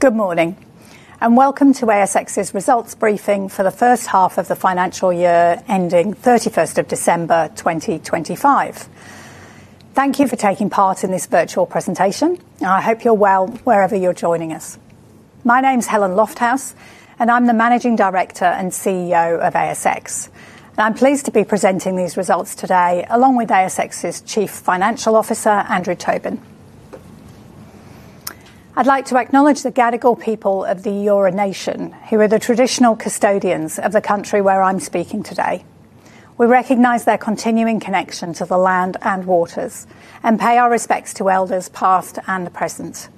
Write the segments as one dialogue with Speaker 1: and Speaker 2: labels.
Speaker 1: Good morning, and welcome to ASX's results briefing for the first half of the financial year ending 31 December 2025. Thank you for taking part in this virtual presentation, and I hope you're well wherever you're joining us. My name is Helen Lofthouse, and I'm the Managing Director and CEO of ASX. I'm pleased to be presenting these results today along with ASX's Chief Financial Officer, Andrew Tobin. I'd like to acknowledge the Gadigal people of the Eora Nation, who are the traditional custodians of the country where I'm speaking today. We recognize their continuing connection to the land and waters, and pay our respects to elders past and present.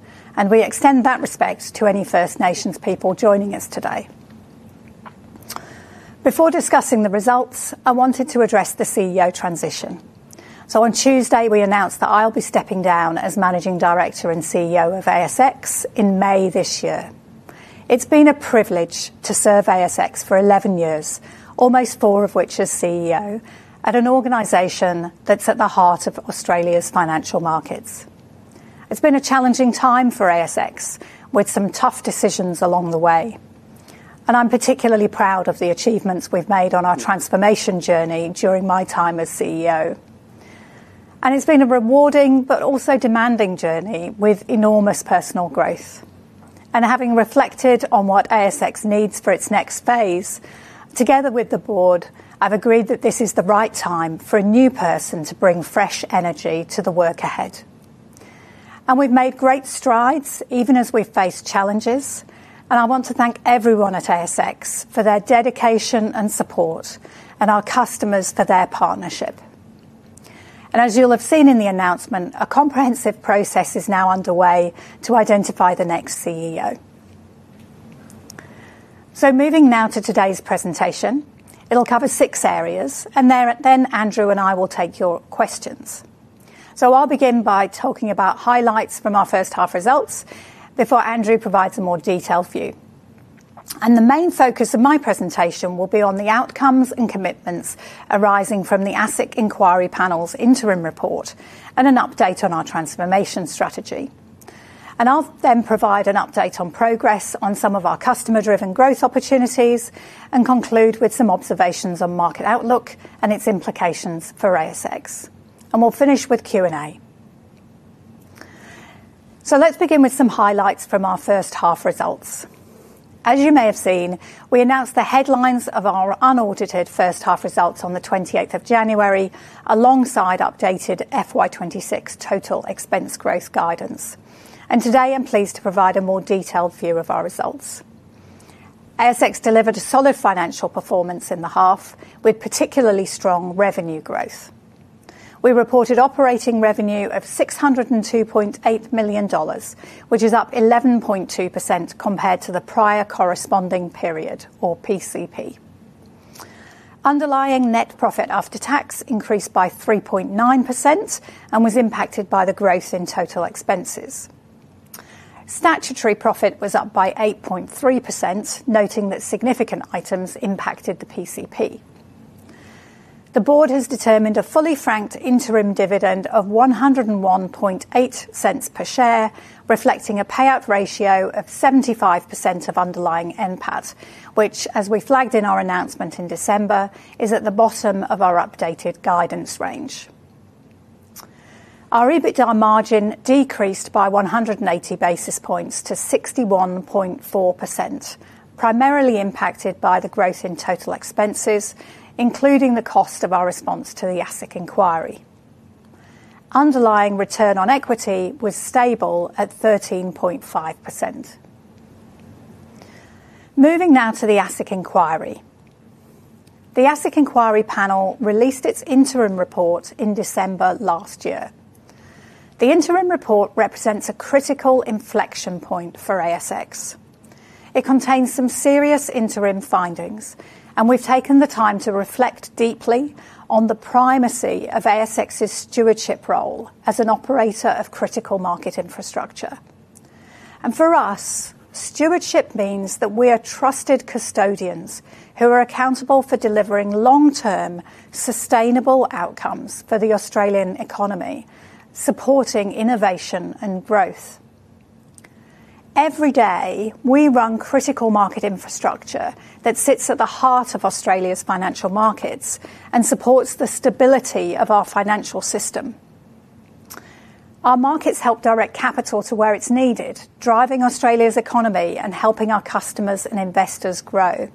Speaker 1: We extend that respect to any First Nations people joining us today. Before discussing the results, I wanted to address the CEO transition. On Tuesday, we announced that I'll be stepping down as Managing Director and CEO of ASX in May this year. It's been a privilege to serve ASX for 11 years, almost four of which as CEO, at an organization that's at the heart of Australia's financial markets. It's been a challenging time for ASX, with some tough decisions along the way. I'm particularly proud of the achievements we've made on our transformation journey during my time as CEO. It's been a rewarding but also demanding journey, with enormous personal growth. Having reflected on what ASX needs for its next phase, together with the board, I've agreed that this is the right time for a new person to bring fresh energy to the work ahead. We've made great strides even as we've faced challenges. I want to thank everyone at ASX for their dedication and support, and our customers for their partnership. As you'll have seen in the announcement, a comprehensive process is now underway to identify the next CEO. Moving now to today's presentation, it'll cover six areas, and then Andrew and I will take your questions. I'll begin by talking about highlights from our first-half results before Andrew provides a more detailed view. The main focus of my presentation will be on the outcomes and commitments arising from the ASIC Inquiry Panel's interim report, and an update on our transformation strategy. I'll then provide an update on progress on some of our customer-driven growth opportunities, and conclude with some observations on market outlook and its implications for ASX. We'll finish with Q&A. Let's begin with some highlights from our first-half results. As you may have seen, we announced the headlines of our unaudited first-half results on 28 January, alongside updated FY 2026 total expense growth guidance. Today, I'm pleased to provide a more detailed view of our results. ASX delivered a solid financial performance in the half, with particularly strong revenue growth. We reported operating revenue of 602.8 million dollars, which is up 11.2% compared to the prior corresponding period, or PCP. Underlying net profit after tax increased by 3.9%, and was impacted by the growth in total expenses. Statutory profit was up by 8.3%, noting that significant items impacted the PCP. The board has determined a fully franked interim dividend of 101.80 per share, reflecting a payout ratio of 75% of underlying NPAT, which, as we flagged in our announcement in December, is at the bottom of our updated guidance range. Our EBITDA margin decreased by 180 basis points to 61.4%, primarily impacted by the growth in total expenses, including the cost of our response to the ASIC Inquiry. Underlying return on equity was stable at 13.5%. Moving now to the ASIC Inquiry. The ASIC Inquiry Panel released its interim report in December last year. The interim report represents a critical inflection point for ASX. It contains some serious interim findings, and we've taken the time to reflect deeply on the primacy of ASX's stewardship role as an operator of critical market infrastructure. For us, stewardship means that we are trusted custodians who are accountable for delivering long-term, sustainable outcomes for the Australian economy, supporting innovation and growth. Every day, we run critical market infrastructure that sits at the heart of Australia's financial markets and supports the stability of our financial system. Our markets help direct capital to where it's needed, driving Australia's economy and helping our customers and investors grow.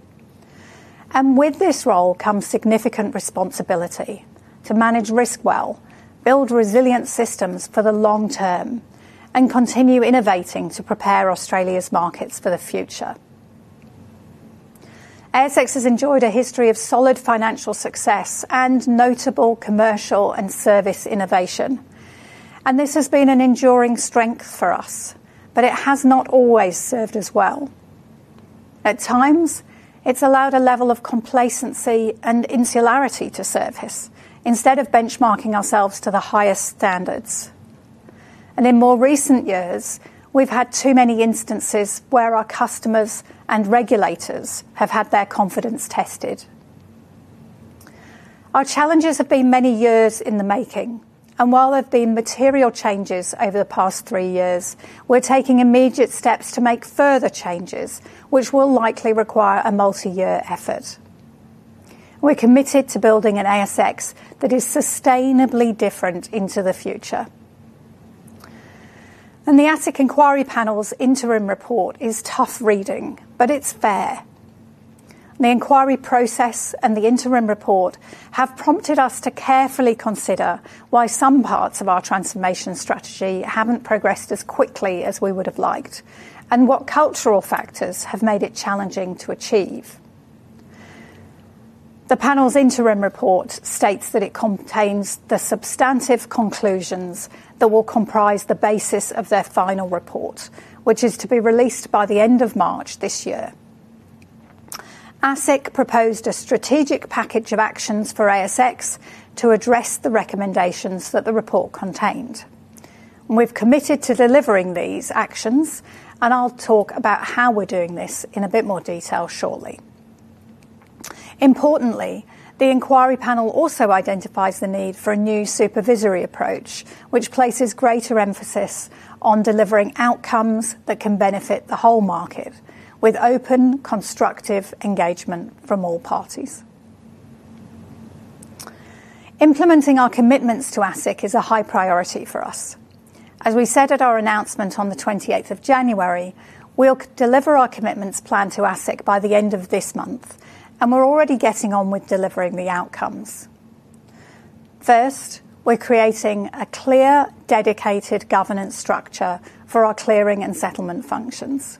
Speaker 1: With this role comes significant responsibility to manage risk well, build resilient systems for the long term, and continue innovating to prepare Australia's markets for the future. ASX has enjoyed a history of solid financial success and notable commercial and service innovation. This has been an enduring strength for us, but it has not always served as well. At times, it's allowed a level of complacency and insularity to service instead of benchmarking ourselves to the highest standards. In more recent years, we've had too many instances where our customers and regulators have had their confidence tested. Our challenges have been many years in the making, and while there have been material changes over the past three years, we're taking immediate steps to make further changes, which will likely require a multi-year effort. We're committed to building an ASX that is sustainably different into the future. The ASIC Inquiry Panel's interim report is tough reading, but it's fair. The inquiry process and the interim report have prompted us to carefully consider why some parts of our transformation strategy haven't progressed as quickly as we would have liked, and what cultural factors have made it challenging to achieve. The panel's interim report states that it contains the substantive conclusions that will comprise the basis of their final report, which is to be released by the end of March this year. ASIC proposed a strategic package of actions for ASX to address the recommendations that the report contained. We've committed to delivering these actions, and I'll talk about how we're doing this in a bit more detail shortly. Importantly, the inquiry panel also identifies the need for a new supervisory approach, which places greater emphasis on delivering outcomes that can benefit the whole market, with open, constructive engagement from all parties. Implementing our commitments to ASIC is a high priority for us. As we said at our announcement on 28 January, we'll deliver our commitments planned to ASIC by the end of this month, and we're already getting on with delivering the outcomes. First, we're creating a clear, dedicated governance structure for our clearing and settlement functions.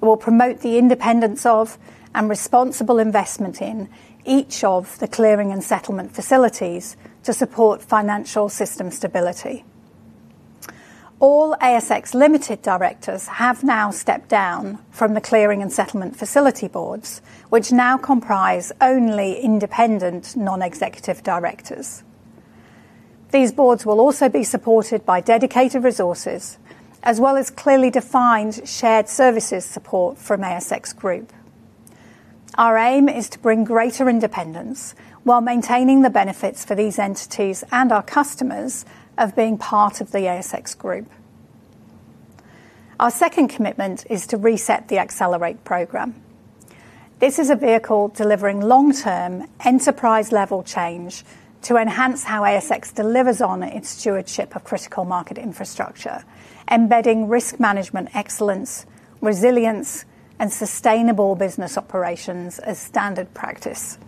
Speaker 1: It will promote the independence of and responsible investment in each of the clearing and settlement facilities to support financial system stability. All ASX Limited directors have now stepped down from the clearing and settlement facility boards, which now comprise only independent non-executive directors. These boards will also be supported by dedicated resources, as well as clearly defined shared services support from ASX Group. Our aim is to bring greater independence, while maintaining the benefits for these entities and our customers of being part of the ASX Group. Our second commitment is to reset the Accelerate program. This is a vehicle delivering long-term, enterprise-level change to enhance how ASX delivers on its stewardship of critical market infrastructure, embedding risk management excellence, resilience, and sustainable business operations as standard practice.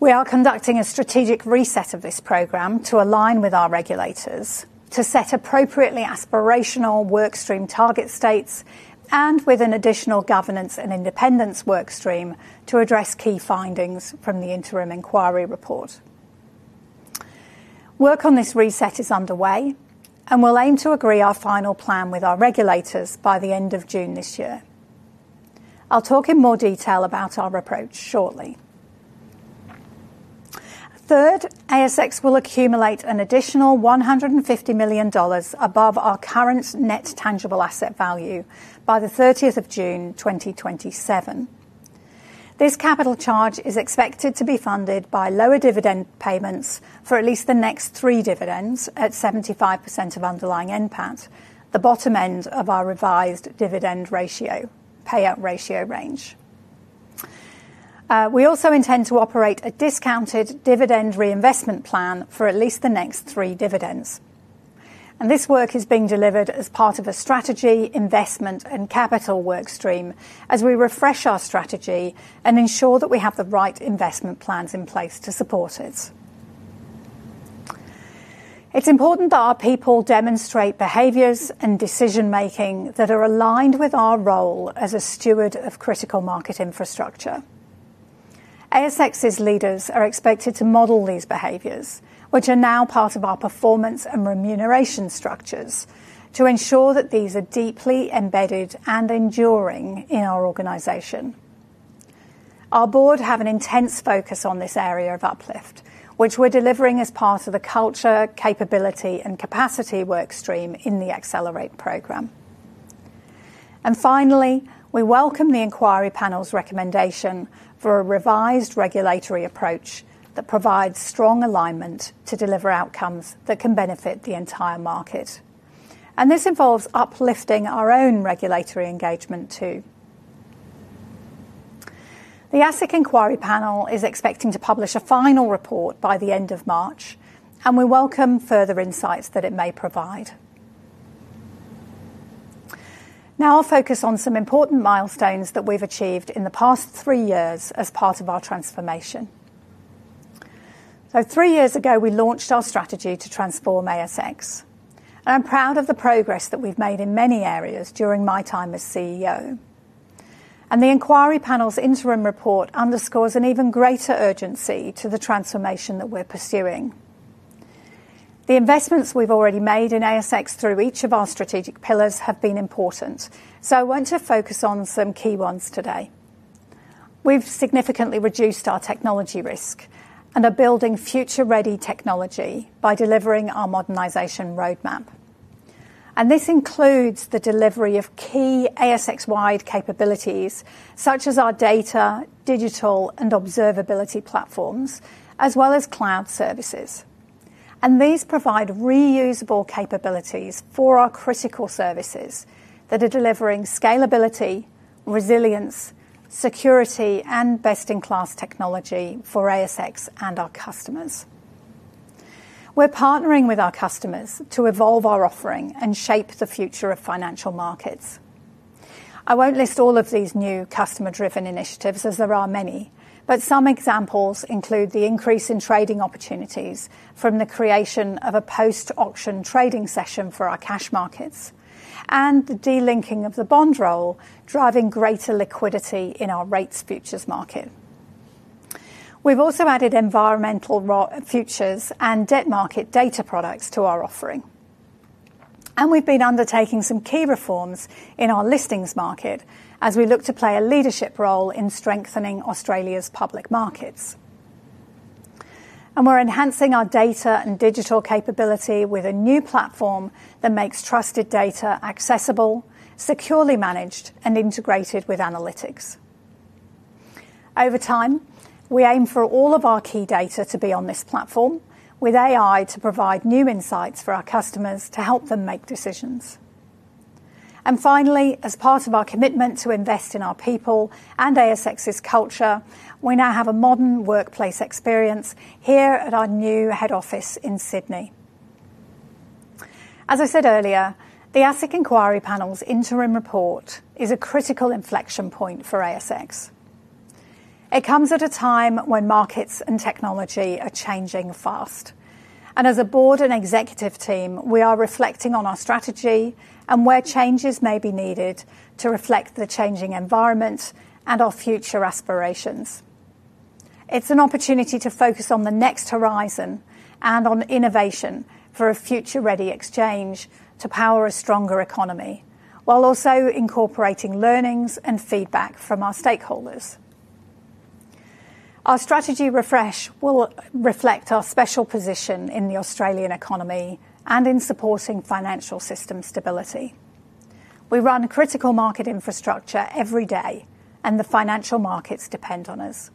Speaker 1: We are conducting a strategic reset of this program to align with our regulators, to set appropriately aspirational workstream target states, and with an additional governance and independence workstream to address key findings from the interim inquiry report. Work on this reset is underway, and we'll aim to agree our final plan with our regulators by the end of June this year. I'll talk in more detail about our approach shortly. Third, ASX will accumulate an additional 150 million dollars above our current net tangible asset value by 30 June 2027. This capital charge is expected to be funded by lower dividend payments for at least the next three dividends at 75% of underlying NPAT, the bottom end of our revised dividend payout ratio range. We also intend to operate a discounted dividend reinvestment plan for at least the next three dividends. This work is being delivered as part of a strategy, investment, and capital workstream, as we refresh our strategy and ensure that we have the right investment plans in place to support it. It's important that our people demonstrate behaviors and decision-making that are aligned with our role as a steward of critical market infrastructure. ASX's leaders are expected to model these behaviors, which are now part of our performance and remuneration structures, to ensure that these are deeply embedded and enduring in our organization. Our board has an intense focus on this area of uplift, which we're delivering as part of the culture, capability, and capacity workstream in the Accelerate program. Finally, we welcome the inquiry panel's recommendation for a revised regulatory approach that provides strong alignment to deliver outcomes that can benefit the entire market. This involves uplifting our own regulatory engagement, too. The ASIC Inquiry Panel is expecting to publish a final report by the end of March, and we welcome further insights that it may provide. Now, I'll focus on some important milestones that we've achieved in the past three years as part of our transformation. Three years ago, we launched our strategy to transform ASX, and I'm proud of the progress that we've made in many areas during my time as CEO. The inquiry panel's interim report underscores an even greater urgency to the transformation that we're pursuing. The investments we've already made in ASX through each of our strategic pillars have been important, so I want to focus on some key ones today. We've significantly reduced our technology risk and are building future-ready technology by delivering our modernization roadmap. This includes the delivery of key ASX-wide capabilities, such as our data, digital, and observability platforms, as well as cloud services. These provide reusable capabilities for our critical services that are delivering scalability, resilience, security, and best-in-class technology for ASX and our customers. We're partnering with our customers to evolve our offering and shape the future of financial markets. I won't list all of these new customer-driven initiatives, as there are many, but some examples include the increase in trading opportunities from the creation of a post-auction trading session for our cash markets, and the delinking of the bond roll, driving greater liquidity in our rates futures market. We've also added Environmental Futures and debt market data products to our offering. We've been undertaking some key reforms in our Listings market, as we look to play a leadership role in strengthening Australia's public markets. We're enhancing our data and digital capability with a new platform that makes trusted data accessible, securely managed, and integrated with analytics. Over time, we aim for all of our key data to be on this platform, with AI to provide new insights for our customers to help them make decisions. Finally, as part of our commitment to invest in our people and ASX's culture, we now have a modern workplace experience here at our new head office in Sydney. As I said earlier, the ASIC Inquiry Panel's interim report is a critical inflection point for ASX. It comes at a time when markets and technology are changing fast, and as a board and executive team, we are reflecting on our strategy and where changes may be needed to reflect the changing environment and our future aspirations. It's an opportunity to focus on the next horizon and on innovation for a future-ready exchange to power a stronger economy, while also incorporating learnings and feedback from our stakeholders. Our strategy refresh will reflect our special position in the Australian economy and in supporting financial system stability. We run critical market infrastructure every day, and the financial markets depend on us.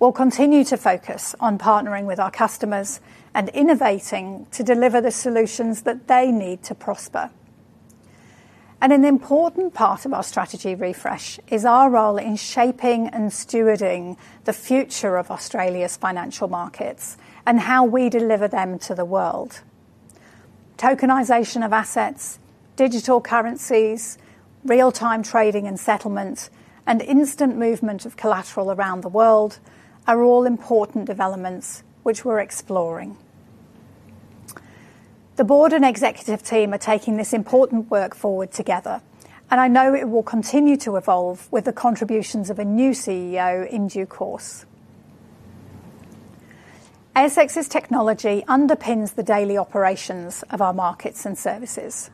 Speaker 1: We'll continue to focus on partnering with our customers and innovating to deliver the solutions that they need to prosper. An important part of our strategy refresh is our role in shaping and stewarding the future of Australia's financial markets and how we deliver them to the world. Tokenization of assets, digital currencies, real-time trading and settlement, and instant movement of collateral around the world are all important developments which we're exploring. The board and executive team are taking this important work forward together, and I know it will continue to evolve with the contributions of a new CEO in due course. ASX's technology underpins the daily operations of our markets and services,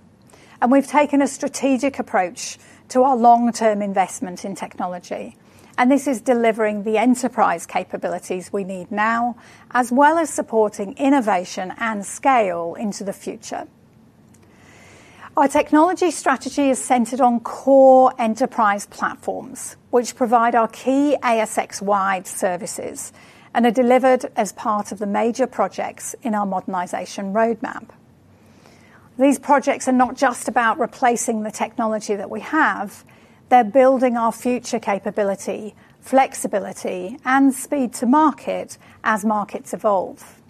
Speaker 1: and we've taken a strategic approach to our long-term investment in technology, and this is delivering the enterprise capabilities we need now, as well as supporting innovation and scale into the future. Our technology strategy is centered on core enterprise platforms, which provide our key ASX-wide services and are delivered as part of the major projects in our modernization roadmap. These projects are not just about replacing the technology that we have. They're building our future capability, flexibility, and speed to market as markets evolve.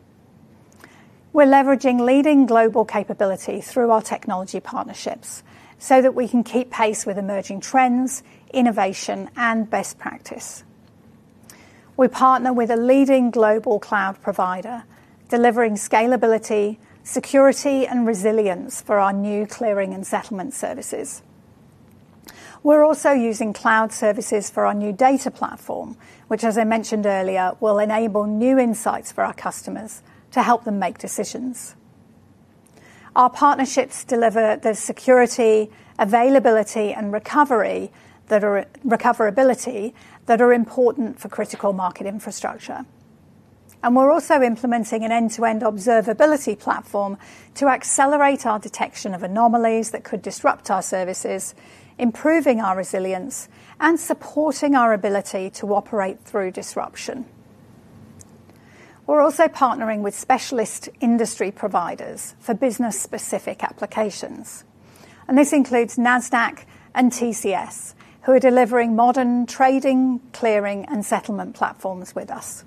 Speaker 1: We're leveraging leading global capability through our technology partnerships so that we can keep pace with emerging trends, innovation, and best practice. We partner with a leading global cloud provider, delivering scalability, security, and resilience for our new clearing and settlement services. We're also using cloud services for our new data platform, which, as I mentioned earlier, will enable new insights for our customers to help them make decisions. Our partnerships deliver the security, availability, and recoverability that are important for critical market infrastructure. We're also implementing an end-to-end observability platform to accelerate our detection of anomalies that could disrupt our services, improving our resilience, and supporting our ability to operate through disruption. We're also partnering with specialist industry providers for business-specific applications, and this includes Nasdaq and TCS, who are delivering modern trading, clearing, and settlement platforms with us.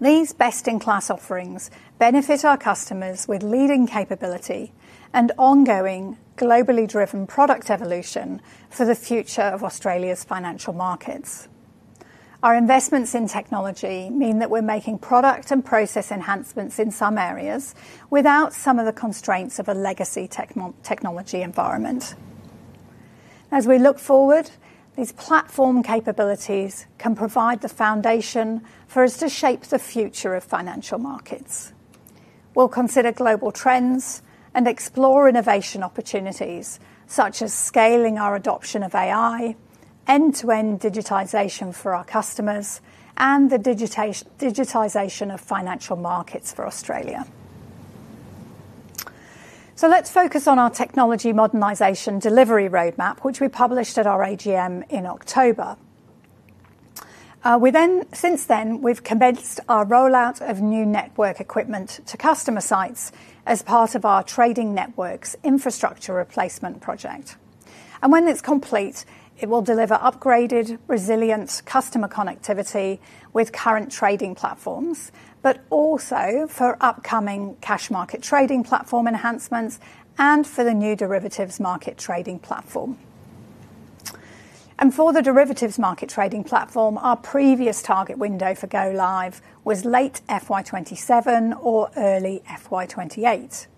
Speaker 1: These best-in-class offerings benefit our customers with leading capability and ongoing, globally-driven product evolution for the future of Australia's financial markets. Our investments in technology mean that we're making product and process enhancements in some areas without some of the constraints of a legacy technology environment. As we look forward, these platform capabilities can provide the foundation for us to shape the future of financial markets. We'll consider global trends and explore innovation opportunities, such as scaling our adoption of AI, end-to-end digitization for our customers, and the digitization of financial markets for Australia. Let's focus on our technology modernization delivery roadmap, which we published at our AGM in October. Since then, we've commenced our rollout of new network equipment to customer sites as part of our trading network's infrastructure replacement project. When it's complete, it will deliver upgraded, resilient customer connectivity with current trading platforms, but also for upcoming cash market trading platform enhancements and for the new derivatives market trading platform. For the derivatives market trading platform, our previous target window for go-live was late FY 2027 or early FY 2028.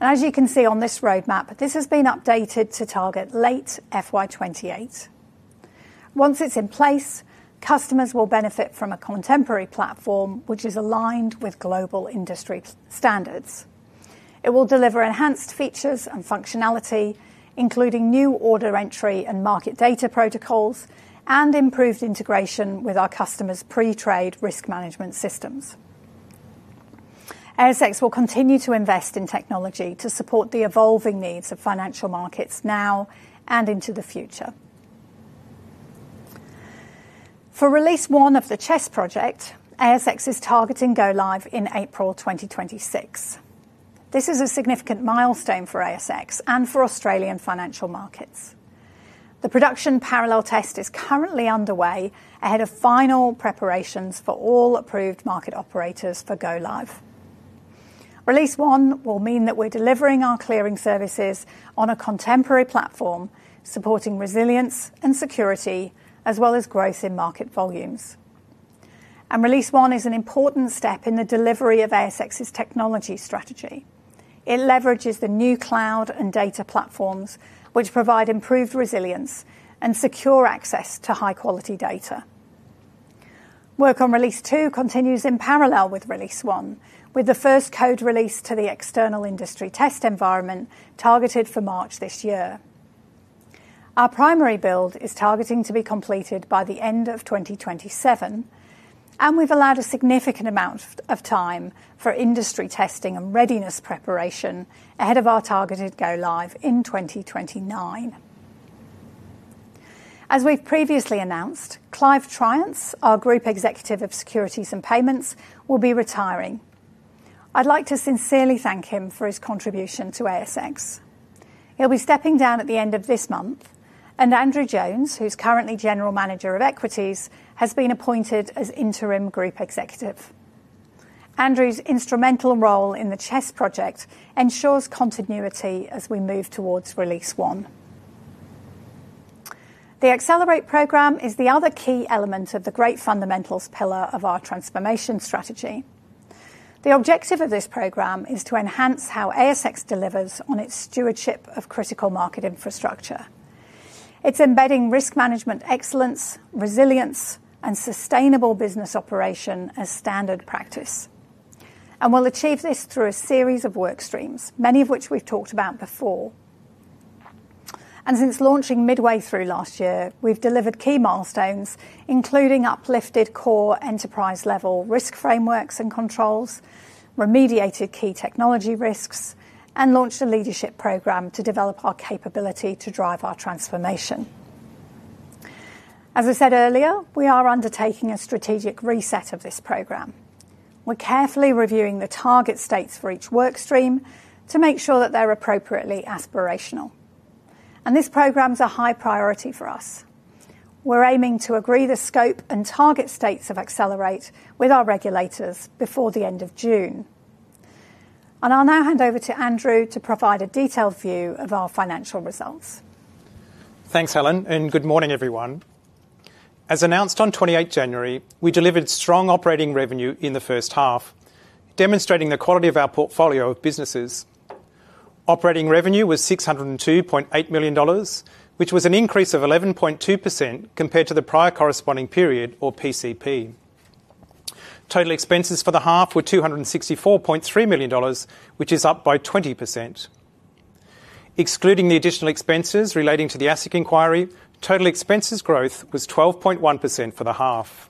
Speaker 1: As you can see on this roadmap, this has been updated to target late FY 2028. Once it's in place, customers will benefit from a contemporary platform which is aligned with global industry standards. It will deliver enhanced features and functionality, including new order entry and market data protocols, and improved integration with our customers' pre-trade risk management systems. ASX will continue to invest in technology to support the evolving needs of financial markets now and into the future. For Release 1 of the CHESS project, ASX is targeting go-live in April 2026. This is a significant milestone for ASX and for Australian financial markets. The production parallel test is currently underway ahead of final preparations for all approved market operators for go-live. Release 1 will mean that we're delivering our clearing services on a contemporary platform, supporting resilience and security, as well as growth in market volumes. Release 1 is an important step in the delivery of ASX's technology strategy. It leverages the new cloud and data platforms which provide improved resilience and secure access to high-quality data. Work on Release 2 continues in parallel with Release 1, with the first code release to the external industry test environment targeted for March this year. Our primary build is targeting to be completed by the end of 2027, and we've allowed a significant amount of time for industry testing and readiness preparation ahead of our targeted go-live in 2029. As we've previously announced, Clive Triance, our Group Executive of Securities and Payments, will be retiring. I'd like to sincerely thank him for his contribution to ASX. He'll be stepping down at the end of this month, and Andrew Jones, who's currently General Manager of Equities, has been appointed as Interim Group Executive. Andrew's instrumental role in the CHESS project ensures continuity as we move towards Release 1. The Accelerate Program is the other key element of the Great Fundamentals pillar of our transformation strategy. The objective of this program is to enhance how ASX delivers on its stewardship of critical market infrastructure. It's embedding risk management excellence, resilience, and sustainable business operation as standard practice, and we'll achieve this through a series of workstreams, many of which we've talked about before. Since launching midway through last year, we've delivered key milestones, including uplifted core enterprise-level risk frameworks and controls, remediated key technology risks, and launched a leadership program to develop our capability to drive our transformation. As I said earlier, we are undertaking a strategic reset of this program. We're carefully reviewing the target states for each workstream to make sure that they're appropriately aspirational, and this program's a high priority for us. We're aiming to agree the scope and target states of Accelerate with our regulators before the end of June. I'll now hand over to Andrew to provide a detailed view of our financial results.
Speaker 2: Thanks, Helen, and good morning, everyone. As announced on 28 January, we delivered strong operating revenue in the first half, demonstrating the quality of our portfolio of businesses. Operating revenue was 602.8 million dollars, which was an increase of 11.2% compared to the prior corresponding period, or PCP. Total expenses for the half were 264.3 million dollars, which is up by 20%. Excluding the additional expenses relating to the ASIC inquiry, total expenses growth was 12.1% for the half.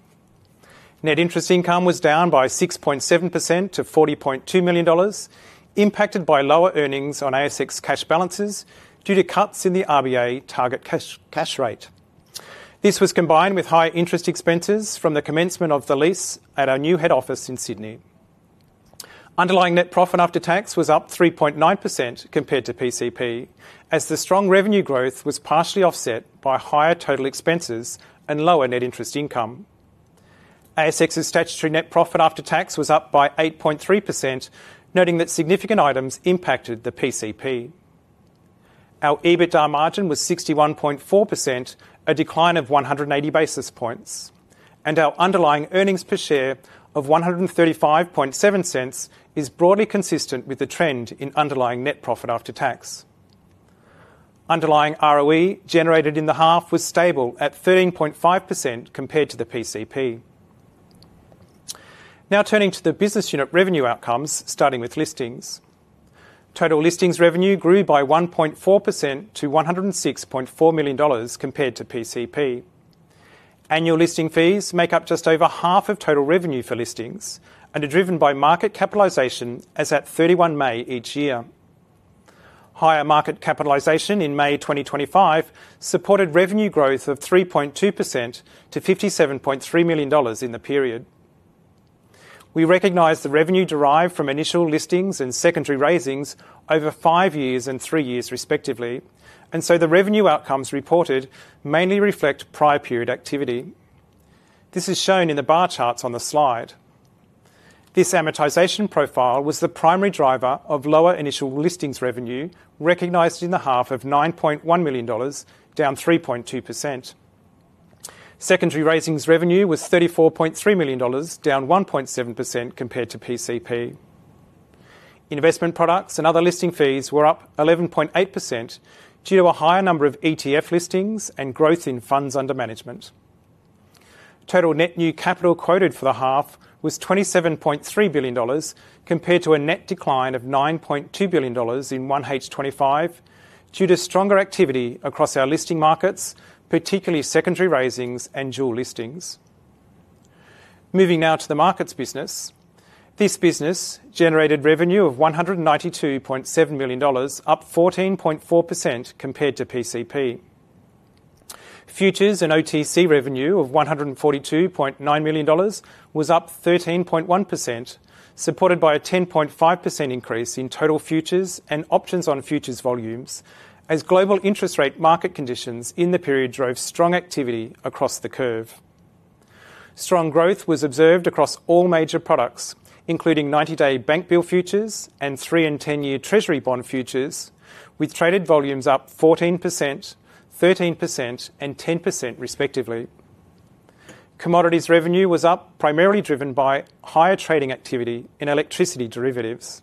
Speaker 2: Net interest income was down by 6.7% to 40.2 million dollars, impacted by lower earnings on ASX cash balances due to cuts in the RBA target cash rate. This was combined with higher interest expenses from the commencement of the lease at our new head office in Sydney. Underlying net profit after tax was up 3.9% compared to PCP, as the strong revenue growth was partially offset by higher total expenses and lower net interest income. ASX's statutory net profit after tax was up by 8.3%, noting that significant items impacted the PCP. Our EBITDA margin was 61.4%, a decline of 180 basis points, and our underlying earnings per share of 1.357 is broadly consistent with the trend in underlying net profit after tax. Underlying ROE generated in the half was stable at 13.5% compared to the PCP. Now turning to the business unit revenue outcomes, starting with Listings. Total Listings revenue grew by 1.4% to 106.4 million dollars compared to PCP. Annual listing fees make up just over half of total revenue for Listings and are driven by market capitalization, as at 31 May each year. Higher market capitalization in May 2025 supported revenue growth of 3.2% to 57.3 million dollars in the period. We recognize the revenue derived from initial listings and secondary raisings over five years and three years, respectively, and so the revenue outcomes reported mainly reflect prior period activity. This is shown in the bar charts on the slide. This amortization profile was the primary driver of lower initial Listings revenue, recognized in the half of 9.1 million dollars, down 3.2%. Secondary raisings revenue was 34.3 million dollars, down 1.7% compared to PCP. Investment products and other listing fees were up 11.8% due to a higher number of ETF Listings and growth in funds under management. Total net new capital quoted for the half was 27.3 billion dollars, compared to a net decline of 9.2 billion dollars in 1H25 due to stronger activity across our listing markets, particularly secondary raisings and dual listings. Moving now to the Markets business, this business generated revenue of 192.7 million dollars, up 14.4% compared to PCP. Futures and OTC revenue of 142.9 million dollars was up 13.1%, supported by a 10.5% increase in total futures and options-on-futures volumes, as global interest rate market conditions in the period drove strong activity across the curve. Strong growth was observed across all major products, including 90-day bank bill futures and three and 10-year Treasury bond futures, with traded volumes up 14%, 13%, and 10%, respectively. Commodities revenue was up, primarily driven by higher trading activity in electricity derivatives.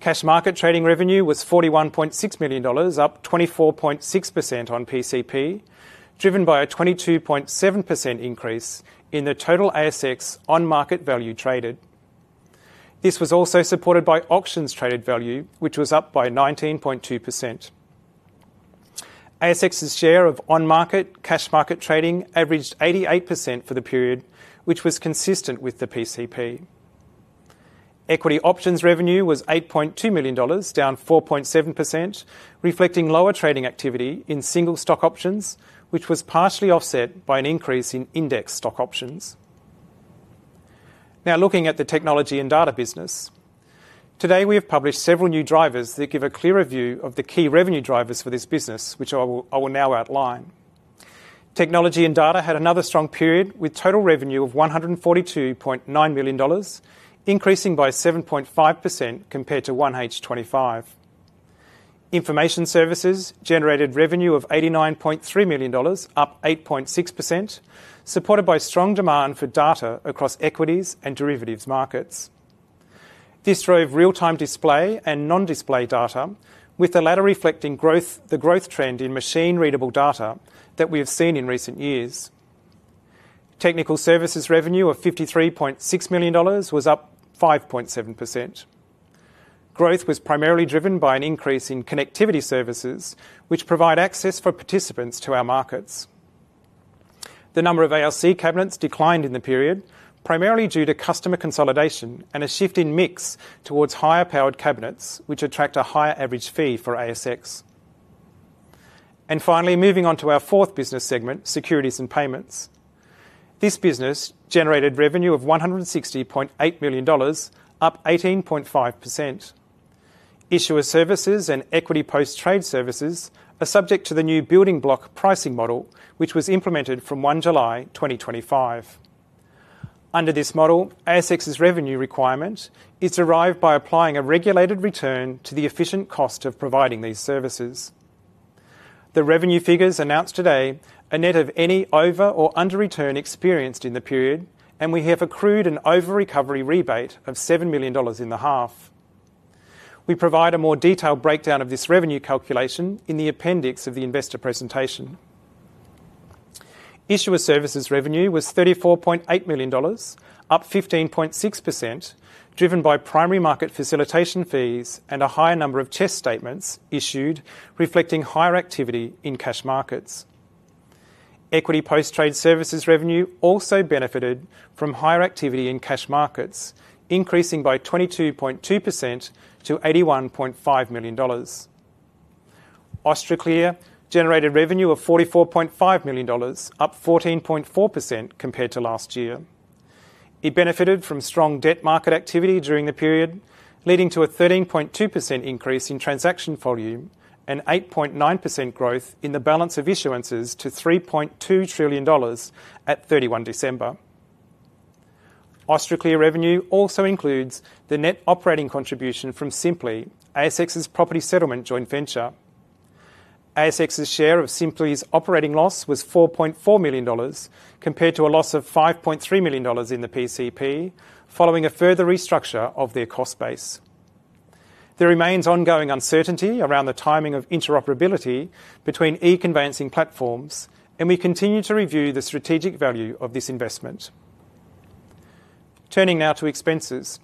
Speaker 2: Cash market trading revenue was 41.6 million dollars, up 24.6% on PCP, driven by a 22.7% increase in the total ASX on-market value traded. This was also supported by auctions traded value, which was up by 19.2%. ASX's share of on-market cash market trading averaged 88% for the period, which was consistent with the PCP. Equity options revenue was 8.2 million dollars, down 4.7%, reflecting lower trading activity in single stock options, which was partially offset by an increase in index stock options. Now, looking at the Technology & Data business, today we have published several new drivers that give a clearer view of the key revenue drivers for this business, which I will now outline. Technology & Data had another strong period, with total revenue of 142.9 million dollars, increasing by 7.5% compared to 1H 2025. Information Services generated revenue of 89.3 million dollars, up 8.6%, supported by strong demand for data across equities and derivatives markets. This drove real-time display and non-display data, with the latter reflecting the growth trend in machine-readable data that we have seen in recent years. Technical Services revenue of 53.6 million dollars was up 5.7%. Growth was primarily driven by an increase in connectivity services, which provide access for participants to our markets. The number of ALC cabinets declined in the period, primarily due to customer consolidation and a shift in mix towards higher-powered cabinets, which attract a higher average fee for ASX. Finally, moving on to our fourth business segment, Securities and Payments. This business generated revenue of 160.8 million dollars, up 18.5%. Issuer Services and Equity Post-Trade Services are subject to the new building block pricing model, which was implemented from 1 July 2025. Under this model, ASX's revenue requirement is derived by applying a regulated return to the efficient cost of providing these services. The revenue figures announced today are net of any over- or under-return experienced in the period, and we have accrued an over-recovery rebate of 7 million dollars in the half. We provide a more detailed breakdown of this revenue calculation in the appendix of the investor presentation. Issuer Services revenue was 34.8 million dollars, up 15.6%, driven by primary market facilitation fees and a higher number of CHESS statements issued, reflecting higher activity in cash markets. Equity post-trade services revenue also benefited from higher activity in cash markets, increasing by 22.2% to 81.5 million dollars. Austraclear generated revenue of 44.5 million dollars, up 14.4% compared to last year. It benefited from strong debt market activity during the period, leading to a 13.2% increase in transaction volume and 8.9% growth in the balance of issuances to 3.2 trillion dollars at 31 December. Austraclear revenue also includes the net operating contribution from Sympli, ASX's property settlement joint venture. ASX's share of Sympli's operating loss was 4.4 million dollars, compared to a loss of 5.3 million dollars in the PCP, following a further restructure of their cost base. There remains ongoing uncertainty around the timing of interoperability between e-conveyancing platforms, and we continue to review the strategic value of this investment. Turning now to expenses.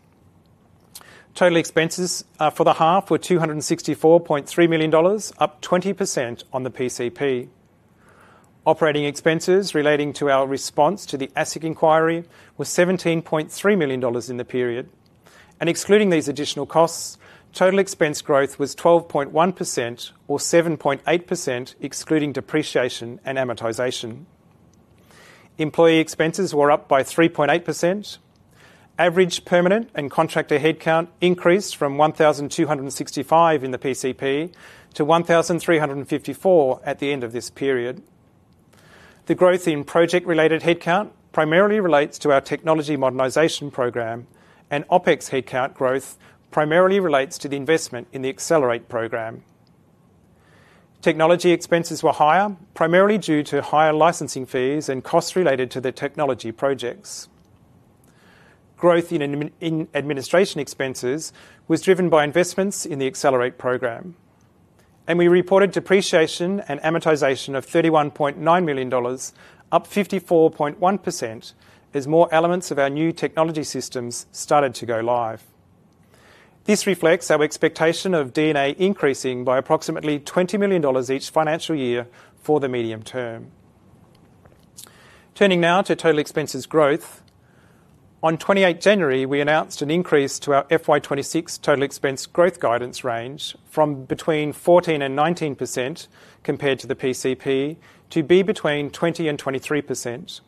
Speaker 2: Total expenses for the half were 264.3 million dollars, up 20% on the PCP. Operating expenses relating to our response to the ASIC inquiry were 17.3 million dollars in the period, and excluding these additional costs, total expense growth was 12.1%, or 7.8% excluding depreciation and amortization. Employee expenses were up by 3.8%. Average permanent and contractor headcount increased from 1,265 in the PCP to 1,354 at the end of this period. The growth in project-related headcount primarily relates to our technology modernization program, and OPEX headcount growth primarily relates to the investment in the Accelerate program. Technology expenses were higher, primarily due to higher licensing fees and costs related to the technology projects. Growth in administration expenses was driven by investments in the Accelerate program, and we reported depreciation and amortization of 31.9 million dollars, up 54.1%, as more elements of our new technology systems started to go live. This reflects our expectation of D&A increasing by approximately 20 million dollars each financial year for the medium term. Turning now to total expenses growth. On 28 January, we announced an increase to our FY 2026 total expense growth guidance range from between 14% and 19% compared to the PCP to be between 20% and 23%.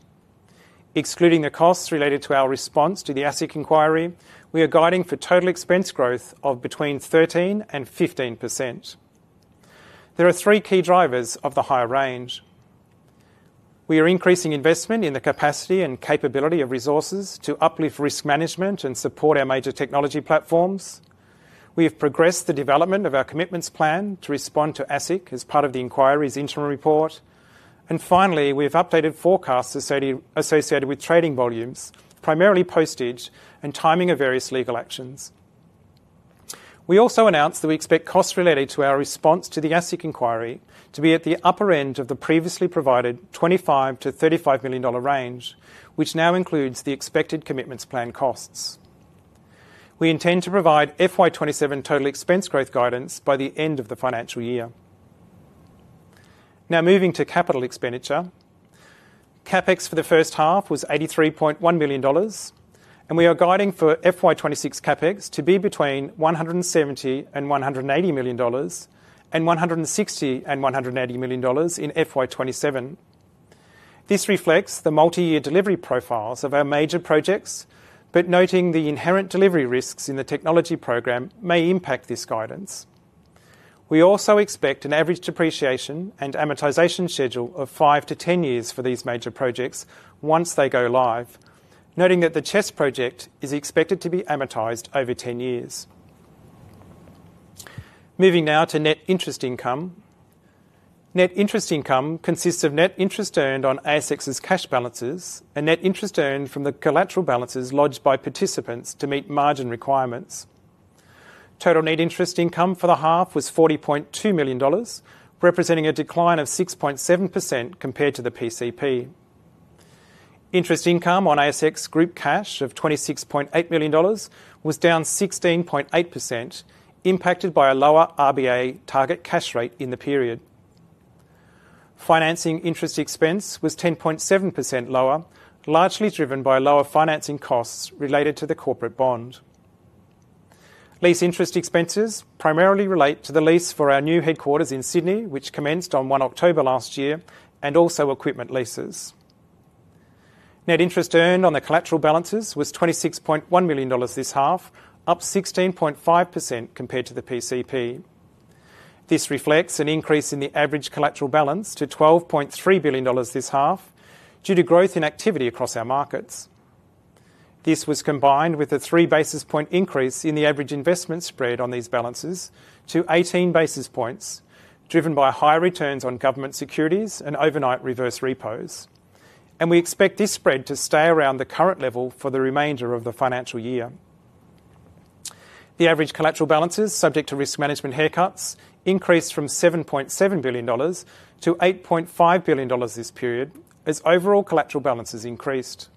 Speaker 2: Excluding the costs related to our response to the ASIC inquiry, we are guiding for total expense growth of between 13% and 15%. There are three key drivers of the higher range. We are increasing investment in the capacity and capability of resources to uplift risk management and support our major technology platforms. We have progressed the development of our commitments plan to respond to ASIC as part of the inquiry's interim report, and finally, we have updated forecasts associated with trading volumes, primarily postage and timing of various legal actions. We also announced that we expect costs related to our response to the ASIC inquiry to be at the upper end of the previously provided 25 million-35 million dollar range, which now includes the expected commitments plan costs. We intend to provide FY 2027 total expense growth guidance by the end of the financial year. Now moving to capital expenditure. CapEx for the first half was 83.1 million dollars, and we are guiding for FY 2026 CapEx to be between 170 million and 180 million dollars, and 160 million and 180 million dollars in FY 2027. This reflects the multi-year delivery profiles of our major projects, but noting the inherent delivery risks in the technology program may impact this guidance. We also expect an average depreciation and amortization schedule of five to 10 years for these major projects once they go live, noting that the CHESS project is expected to be amortized over 10 years. Moving now to net interest income. Net interest income consists of net interest earned on ASX's cash balances and net interest earned from the collateral balances lodged by participants to meet margin requirements. Total net interest income for the half was 40.2 million dollars, representing a decline of 6.7% compared to the PCP. Interest income on ASX Group Cash of 26.8 million dollars was down 16.8%, impacted by a lower RBA target cash rate in the period. Financing interest expense was 10.7% lower, largely driven by lower financing costs related to the corporate bond. Lease interest expenses primarily relate to the lease for our new headquarters in Sydney, which commenced on 1 October last year, and also equipment leases. Net interest earned on the collateral balances was 26.1 million dollars this half, up 16.5% compared to the PCP. This reflects an increase in the average collateral balance to 12.3 billion dollars this half due to growth in activity across our markets. This was combined with a three basis point increase in the average investment spread on these balances to 18 basis points, driven by high returns on government securities and overnight reverse repos, and we expect this spread to stay around the current level for the remainder of the financial year. The average collateral balances subject to risk management haircuts increased from 7.7 billion dollars to 8.5 billion dollars this period, as overall collateral balances increased.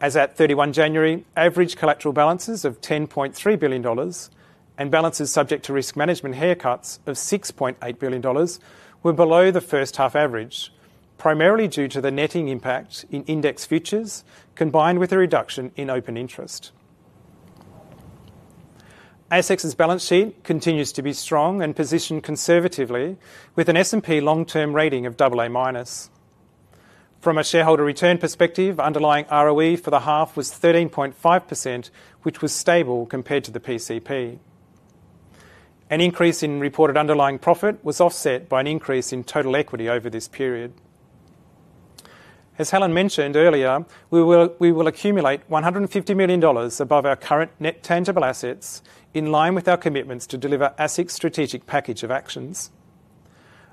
Speaker 2: As at 31 January, average collateral balances of 10.3 billion dollars and balances subject to risk management haircuts of 6.8 billion dollars were below the first-half average, primarily due to the netting impact in index futures combined with a reduction in open interest. ASX's balance sheet continues to be strong and positioned conservatively, with an S&P long-term rating of AA-. From a shareholder return perspective, underlying ROE for the half was 13.5%, which was stable compared to the PCP. An increase in reported underlying profit was offset by an increase in total equity over this period. As Helen mentioned earlier, we will accumulate 150 million dollars above our current net tangible assets in line with our commitments to deliver ASIC's strategic package of actions.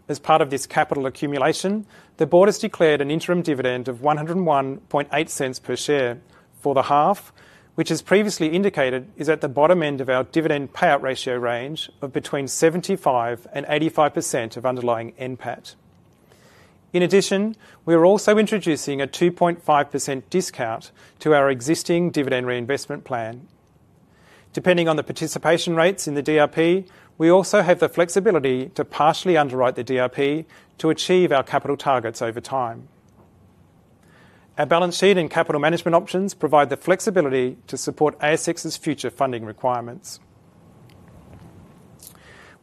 Speaker 2: As part of this capital accumulation, the board has declared an interim dividend of 1.018 per share for the half, which, as previously indicated, is at the bottom end of our dividend payout ratio range of between 75% and 85% of underlying NPAT. In addition, we are also introducing a 2.5% discount to our existing dividend reinvestment plan. Depending on the participation rates in the DRP, we also have the flexibility to partially underwrite the DRP to achieve our capital targets over time. Our balance sheet and capital management options provide the flexibility to support ASX's future funding requirements.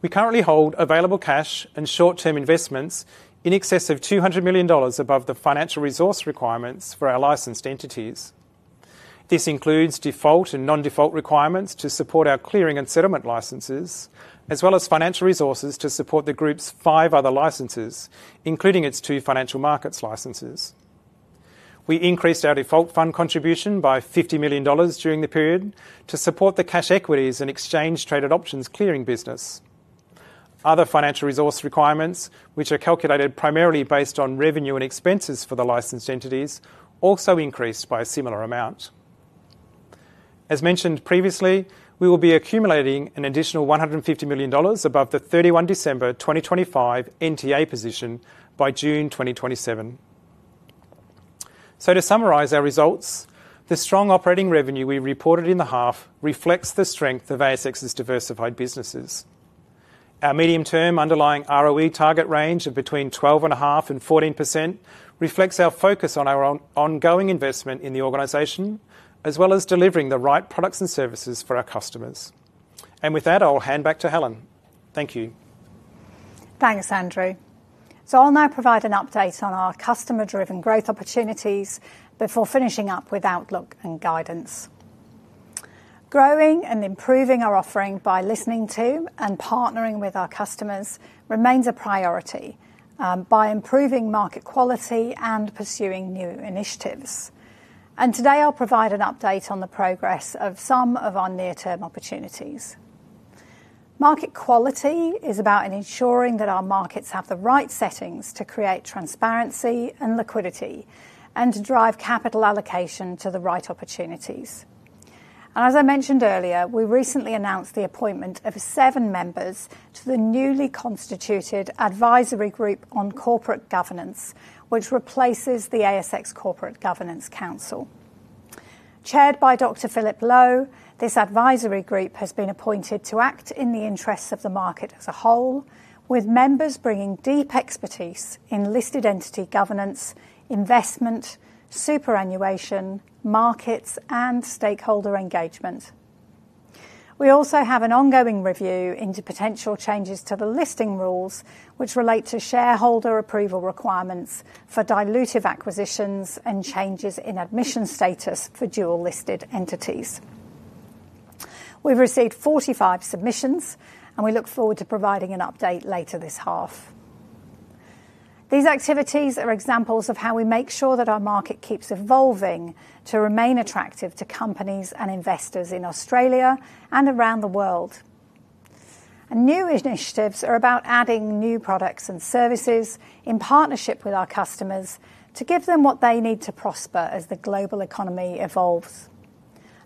Speaker 2: We currently hold available cash and short-term investments in excess of 200 million dollars above the financial resource requirements for our licensed entities. This includes default and non-default requirements to support our clearing and settlement licenses, as well as financial resources to support the group's five other licenses, including its two financial markets licenses. We increased our default fund contribution by 50 million dollars during the period to support the cash equities and exchange-traded options clearing business. Other financial resource requirements, which are calculated primarily based on revenue and expenses for the licensed entities, also increased by a similar amount. As mentioned previously, we will be accumulating an additional 150 million dollars above the 31 December 2025 NTA position by June 2027. So, to summarise our results, the strong operating revenue we reported in the half reflects the strength of ASX's diversified businesses. Our medium-term underlying ROE target range of between 12.5% and 14% reflects our focus on our ongoing investment in the organization, as well as delivering the right products and services for our customers. With that, I'll hand back to Helen. Thank you.
Speaker 1: Thanks, Andrew. I'll now provide an update on our customer-driven growth opportunities before finishing up with Outlook and guidance. Growing and improving our offering by listening to and partnering with our customers remains a priority by improving market quality and pursuing new initiatives. Today, I'll provide an update on the progress of some of our near-term opportunities. Market quality is about ensuring that our markets have the right settings to create transparency and liquidity and to drive capital allocation to the right opportunities. And as I mentioned earlier, we recently announced the appointment of seven members to the newly constituted Advisory Group on Corporate Governance, which replaces the ASX Corporate Governance Council. Chaired by Dr. Philip Lowe, this advisory group has been appointed to act in the interests of the market as a whole, with members bringing deep expertise in listed entity governance, investment, superannuation, markets, and stakeholder engagement. We also have an ongoing review into potential changes to the listing rules, which relate to shareholder approval requirements for dilutive acquisitions and changes in admission status for dual-listed entities. We've received 45 submissions, and we look forward to providing an update later this half. These activities are examples of how we make sure that our market keeps evolving to remain attractive to companies and investors in Australia and around the world. New initiatives are about adding new products and services in partnership with our customers to give them what they need to prosper as the global economy evolves.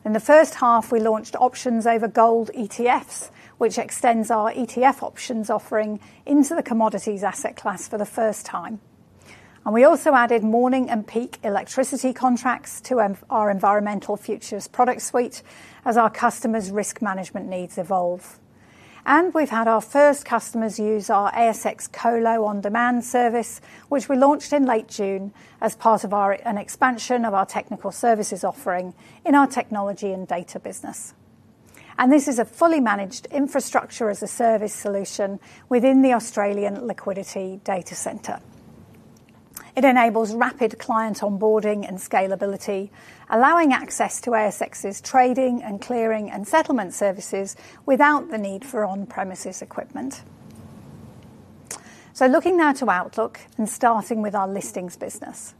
Speaker 1: In the first half, we launched options over gold ETFs, which extends our ETF options offering into the commodities asset class for the first time. We also added morning and peak electricity contracts to our environmental futures product suite as our customers' risk management needs evolve. We've had our first customers use our ASX Colo OnDemand service, which we launched in late June as part of an expansion of our technical services offering in our Technology & Data business. This is a fully managed infrastructure-as-a-service solution within the Australian Liquidity Centre. It enables rapid client onboarding and scalability, allowing access to ASX's trading and clearing and settlement services without the need for on-premises equipment. So, looking now to Outlook and starting with our Listings business.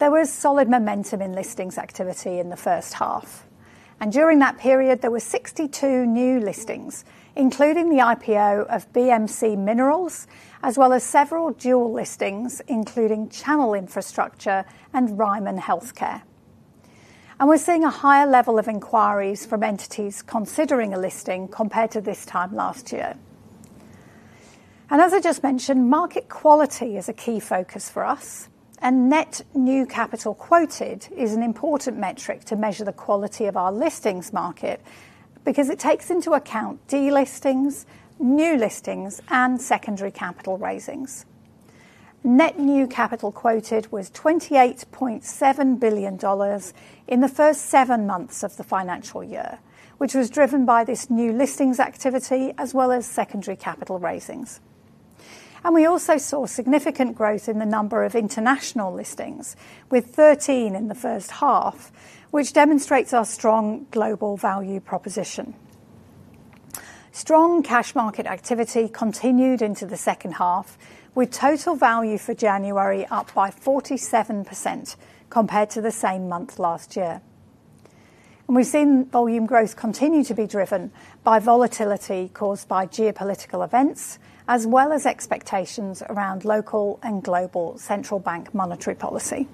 Speaker 1: There was solid momentum in Listings activity in the first half. During that period, there were 62 new listings, including the IPO of BMC Minerals, as well as several dual listings, including Channel Infrastructure and Ryman Healthcare. We're seeing a higher level of inquiries from entities considering a listing compared to this time last year. As I just mentioned, market quality is a key focus for us, and net new capital quoted is an important metric to measure the quality of our Listings market because it takes into account delistings, new listings, and secondary capital raisings. Net new capital quoted was 28.7 billion dollars in the first seven months of the financial year, which was driven by this new Listings activity as well as secondary capital raisings. We also saw significant growth in the number of international listings, with 13 in the first half, which demonstrates our strong global value proposition. Strong cash market activity continued into the second half, with total value for January up by 47% compared to the same month last year. We've seen volume growth continue to be driven by volatility caused by geopolitical events, as well as expectations around local and global central bank monetary policy.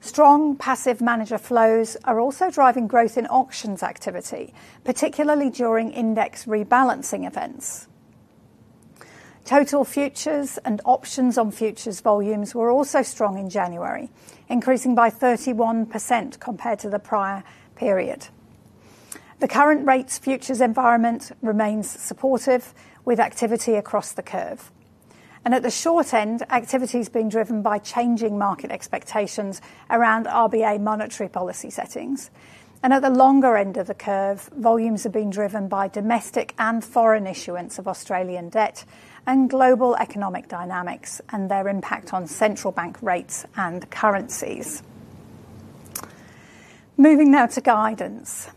Speaker 1: Strong passive manager flows are also driving growth in auctions activity, particularly during index rebalancing events. Total futures and options on futures volumes were also strong in January, increasing by 31% compared to the prior period. The current rates futures environment remains supportive, with activity across the curve. At the short end, activity's been driven by changing market expectations around RBA monetary policy settings. And at the longer end of the curve, volumes have been driven by domestic and foreign issuance of Australian debt and global economic dynamics and their impact on central bank rates and currencies. Moving now to guidance.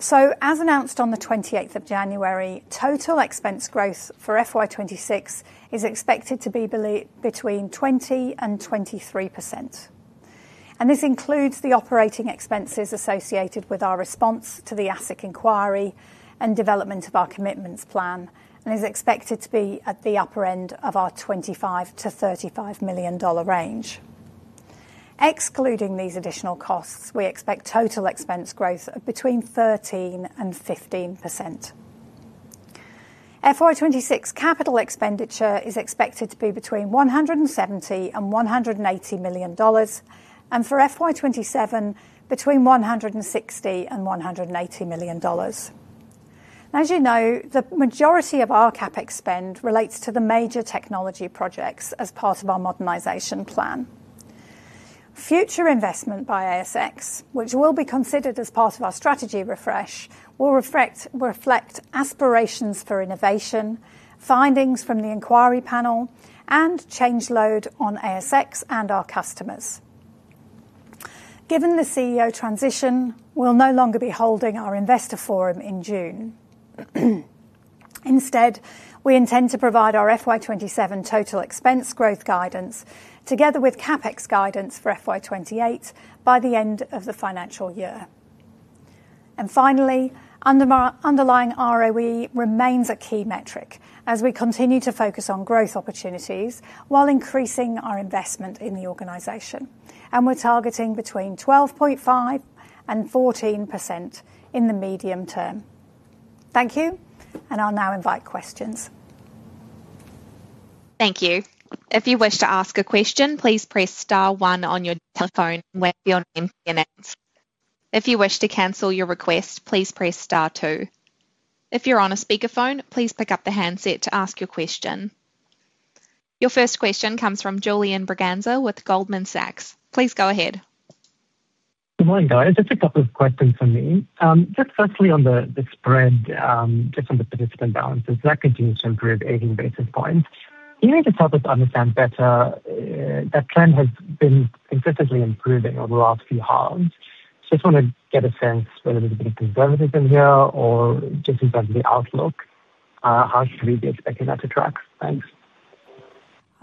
Speaker 1: So, as announced on the 28th of January, total expense growth for FY 2026 is expected to be between 20% and 23%. And this includes the operating expenses associated with our response to the ASIC inquiry and development of our commitments plan, and is expected to be at the upper end of our AUD 25-$35 million range. Excluding these additional costs, we expect total expense growth of between 13% and 15%. FY 2026 capital expenditure is expected to be between 170 million and $180 million, and for FY 2027, between 160 million $180 million. As you know, the majority of our capex relates to the major technology projects as part of our modernization plan. Future investment by ASX, which will be considered as part of our strategy refresh, will reflect aspirations for innovation, findings from the inquiry panel, and change load on ASX and our customers. Given the CEO transition, we'll no longer be holding our investor forum in June. Instead, we intend to provide our FY 2027 total expense growth guidance together with capex guidance for FY 2028 by the end of the financial year. Finally, underlying ROE remains a key metric as we continue to focus on growth opportunities while increasing our investment in the organization, and we're targeting between 12.5% and 14% in the medium term. Thank you, and I'll now invite questions.
Speaker 3: Thank you. If you wish to ask a question, please press star one on your telephone where your name is announced. If you wish to cancel your request, please press star two. If you're on a speakerphone, please pick up the handset to ask your question. Your first question comes from Julian Braganza with Goldman Sachs. Please go ahead.
Speaker 4: Good morning, guys. Just a couple of questions from me. Just firstly, on the spread, just on the participant balances, that continues to improve 18 basis points. Can you maybe help us understand better that trend has been consistently improving over the last few halves? Just want to get a sense whether there's a bit of conservatism here or just in terms of the outlook. How should we be expecting that to track? Thanks.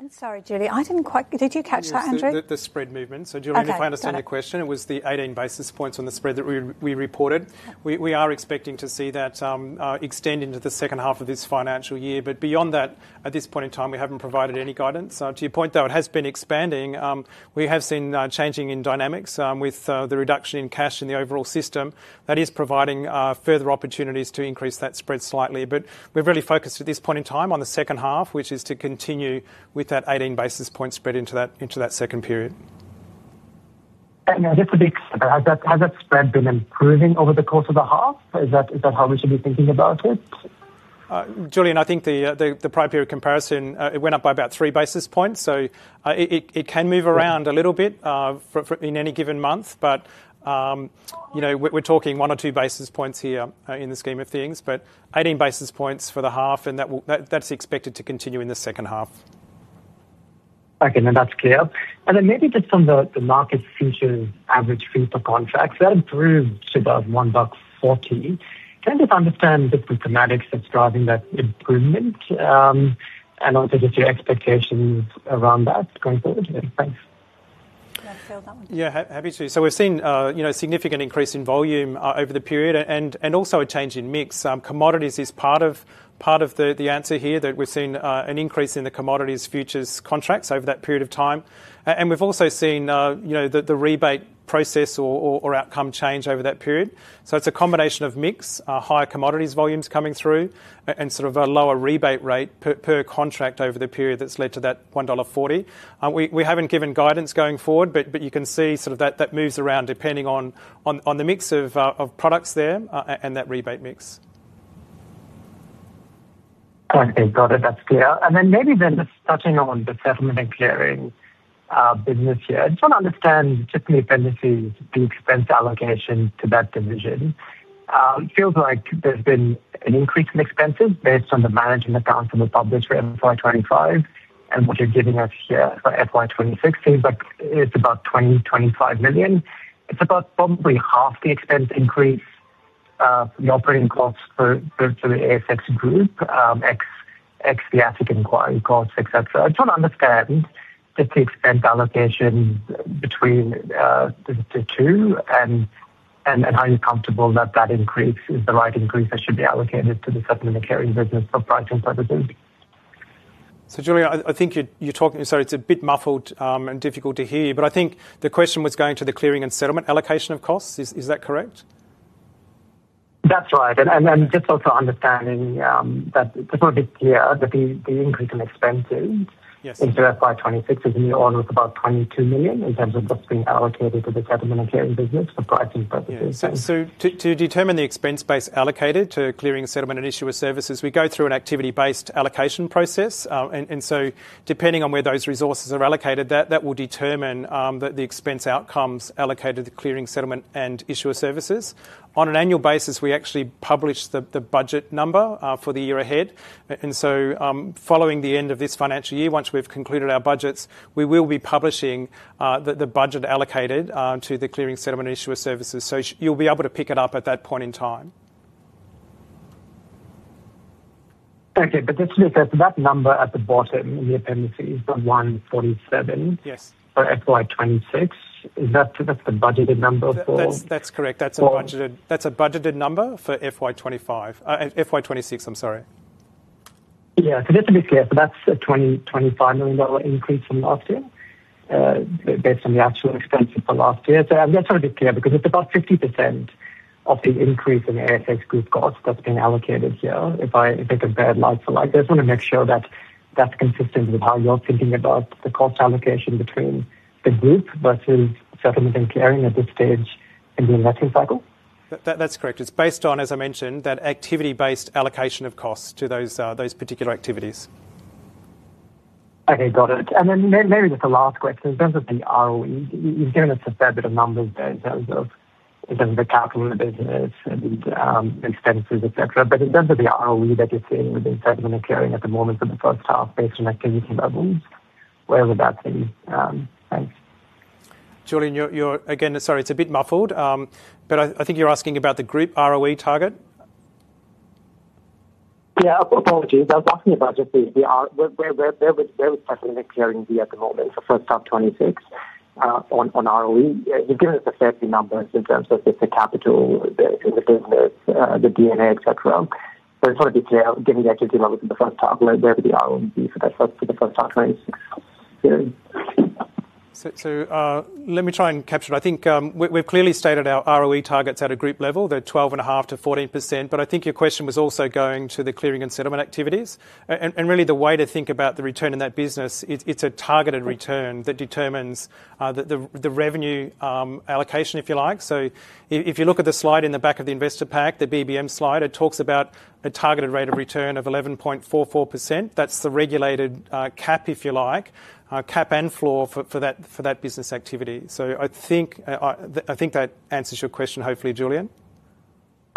Speaker 1: I'm sorry, Julian. I didn't quite. Did you catch that, Andrew?
Speaker 2: Yes, the spread movement. So, Julian, if I understand your question, it was the 18 basis points on the spread that we reported. We are expecting to see that extend into the second half of this financial year. But beyond that, at this point in time, we haven't provided any guidance. To your point, though, it has been expanding. We have seen changing in dynamics with the reduction in cash in the overall system that is providing further opportunities to increase that spread slightly. But we've really focused at this point in time on the second half, which is to continue with that 18 basis point spread into that second period.
Speaker 4: Just a big, has that spread been improving over the course of the half? Is that how we should be thinking about it?
Speaker 2: Julian, I think the prior period comparison, it went up by about 3 basis points. So, it can move around a little bit in any given month, but we're talking 1 or 2 basis points here in the scheme of things. But 18 basis points for the half, and that's expected to continue in the second half.
Speaker 4: Okay, now that's clear. And then maybe just on the market futures average fee per contract, that improved to about 1.40. Can I just understand the problematics that's driving that improvement and also just your expectations around that going forward? Thanks.
Speaker 2: Yeah, happy to. So, we've seen a significant increase in volume over the period and also a change in mix. Commodities is part of the answer here, that we've seen an increase in the commodities futures contracts over that period of time. And we've also seen the rebate process or outcome change over that period. So, it's a combination of mix, higher commodities volumes coming through and sort of a lower rebate rate per contract over the period that's led to that 1.40 dollar. We haven't given guidance going forward, but you can see sort of that moves around depending on the mix of products there and that rebate mix.
Speaker 4: Okay, got it. That's clear. Then maybe just touching on the settlement and clearing business here, I just want to understand just the dependencies, the expense allocation to that division. It feels like there's been an increase in expenses based on the management accounts that were published for FY 2025 and what you're giving us here for FY 2026. Seems like it's about 20 million-25 million. It's about probably half the expense increase of the operating costs for the ASX Group, ex the ASIC inquiry costs, etc. I just want to understand just the expense allocation between the two and how you're comfortable that that increase is the right increase that should be allocated to the settlement and clearing business for pricing purposes.
Speaker 2: So, Julian, I think you're talking, sorry, it's a bit muffled and difficult to hear, but I think the question was going to the clearing and settlement allocation of costs. Is that correct?
Speaker 4: That's right. Just also understanding that just want to be clear that the increase in expenses into FY 2026 is in the order of about 22 million in terms of what's being allocated to the settlement and clearing business for pricing purposes.
Speaker 2: So, to determine the expense base allocated to clearing, settlement, and Issuer Services, we go through an activity-based allocation process. And so, depending on where those resources are allocated, that will determine the expense outcomes allocated to clearing, settlement, and Issuer Services. On an annual basis, we actually publish the budget number for the year ahead. And so, following the end of this financial year, once we've concluded our budgets, we will be publishing the budget allocated to the clearing, settlement, and Issuer Services. So, you'll be able to pick it up at that point in time.
Speaker 4: Okay, but just to be clear, so that number at the bottom in the appendices is the 147 for FY2026. Is that the budgeted number for?
Speaker 2: That's correct. That's a budgeted number for FY 2025 FY 2026, I'm sorry.
Speaker 4: Yeah, so just to be clear, so that's a 25 million dollar increase from last year based on the actual expenses for last year. So, I'm just trying to be clear because it's about 50% of the increase in ASX Group costs that's being allocated here. If I compare it like for like, I just want to make sure that that's consistent with how you're thinking about the cost allocation between the group versus settlement and clearing at this stage in the investing cycle.
Speaker 2: That's correct. It's based on, as I mentioned, that activity-based allocation of costs to those particular activities.
Speaker 4: Okay, got it. And then maybe just the last question, in terms of the ROE, you've given us a fair bit of numbers there in terms of in terms of the capital in the business and expenses, etc. But in terms of the ROE that you're seeing within settlement and clearing at the moment for the first half based on activity levels, where would that be? Thanks.
Speaker 2: Julian, you're again, sorry, it's a bit muffled, but I think you're asking about the group ROE target?
Speaker 4: Yeah, apologies. I was asking about just where we're settlement and clearing be at the moment for first half 2026 on ROE. You've given us a fair bit of numbers in terms of just the capital in the business, the D&A, etc. But I just want to be clear, given the activity levels in the first half, where would the ROE be for the first half 2026 period?
Speaker 2: So, let me try and capture it. I think we've clearly stated our ROE targets at a group level. They're 12.5%-14%. But I think your question was also going to the clearing and settlement activities. And really, the way to think about the return in that business, it's a targeted return that determines the revenue allocation, if you like. So, if you look at the slide in the back of the investor pack, the BBM slide, it talks about a targeted rate of return of 11.44%. That's the regulated cap, if you like, cap and floor for that business activity. So, I think that answers your question, hopefully, Julian.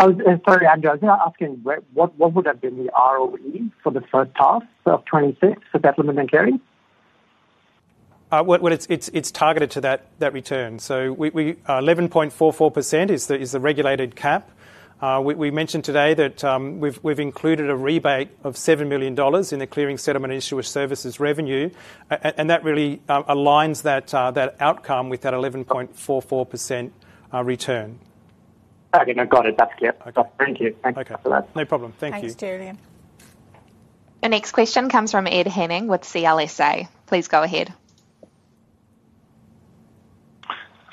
Speaker 4: Sorry, Andrew, I was just asking, what would have been the ROE for the first half of 2026 for settlement and clearing?
Speaker 2: Well, it's targeted to that return. So, 11.44% is the regulated cap. We mentioned today that we've included a rebate of 7 million dollars in the clearing, settlement, and Issuer Services revenue. And that really aligns that outcome with that 11.44% return.
Speaker 4: Okay, now got it. That's clear. Thank you. Thank you for that.
Speaker 2: Okay, no problem. Thank you.
Speaker 1: Thanks, Julian.
Speaker 3: The next question comes from Ed Henning with CLSA. Please go ahead.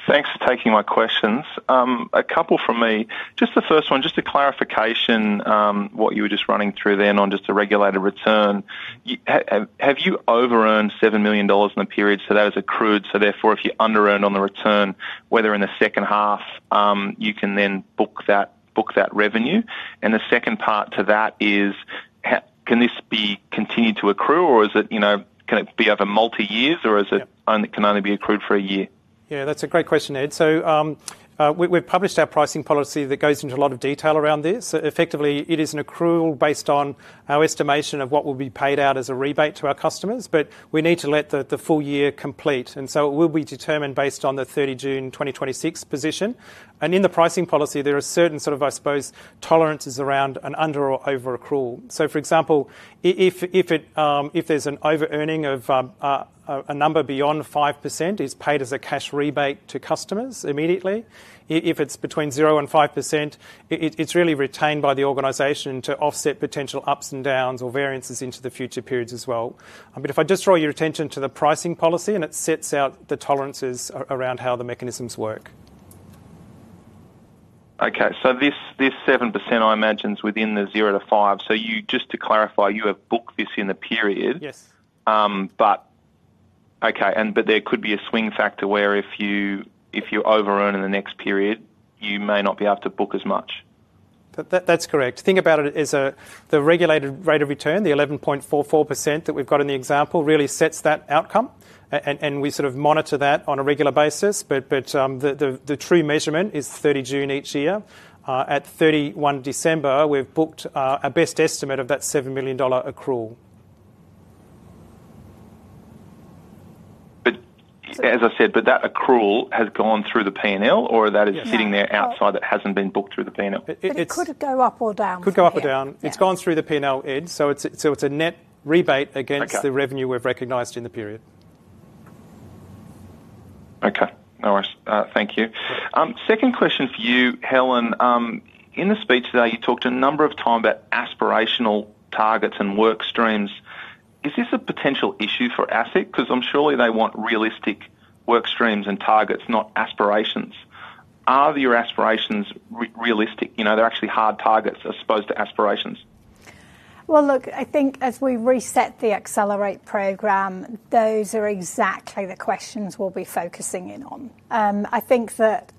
Speaker 5: Thanks for taking my questions. A couple from me. Just the first one, just a clarification what you were just running through then on just the regulated return. Have you over-earned 7 million dollars in the period? So, that is accrued. So, therefore, if you under-earned on the return, whether in the second half, you can then book that revenue. And the second part to that is, can this be continued to accrue, or is it can it be over multi-years, or is it can only be accrued for a year?
Speaker 2: Yeah, that's a great question, Ed. So, we've published our pricing policy that goes into a lot of detail around this. Effectively, it is an accrual based on our estimation of what will be paid out as a rebate to our customers. But we need to let the full year complete. And so, it will be determined based on the 30 June 2026 position. And in the pricing policy, there are certain sort of, I suppose, tolerances around an under or over-accrual. So, for example, if there's an over-earning of a number beyond 5%, it's paid as a cash rebate to customers immediately. If it's between 0% and 5%, it's really retained by the organisation to offset potential ups and downs or variances into the future periods as well. But if I just draw your attention to the pricing policy, and it sets out the tolerances around how the mechanisms work.
Speaker 5: Okay, so this 7%, I imagine, is within the 0%-5%. So, just to clarify, you have booked this in the period.
Speaker 2: Yes.
Speaker 5: But okay, but there could be a swing factor where if you over-earn in the next period, you may not be able to book as much.
Speaker 2: That's correct. Think about it as the regulated rate of return, the 11.44% that we've got in the example, really sets that outcome. We sort of monitor that on a regular basis. The true measurement is 30 June each year. At 31 December, we've booked our best estimate of that 7 million dollar accrual.
Speaker 5: But as I said, that accrual has gone through the P&L, or that is sitting there outside that hasn't been booked through the P&L?
Speaker 1: It could go up or down.
Speaker 2: It could go up or down. It's gone through the P&L, Ed. So, it's a net rebate against the revenue we've recognized in the period.
Speaker 5: Okay. No worries. Thank you. Second question for you, Helen. In the speech today, you talked a number of times about aspirational targets and work streams. Is this a potential issue for ASIC? Because I'm sure they want realistic work streams and targets, not aspirations. Are your aspirations realistic? They're actually hard targets, as opposed to aspirations.
Speaker 1: Well, look, I think as we reset the Accelerate program, those are exactly the questions we'll be focusing in on. I think that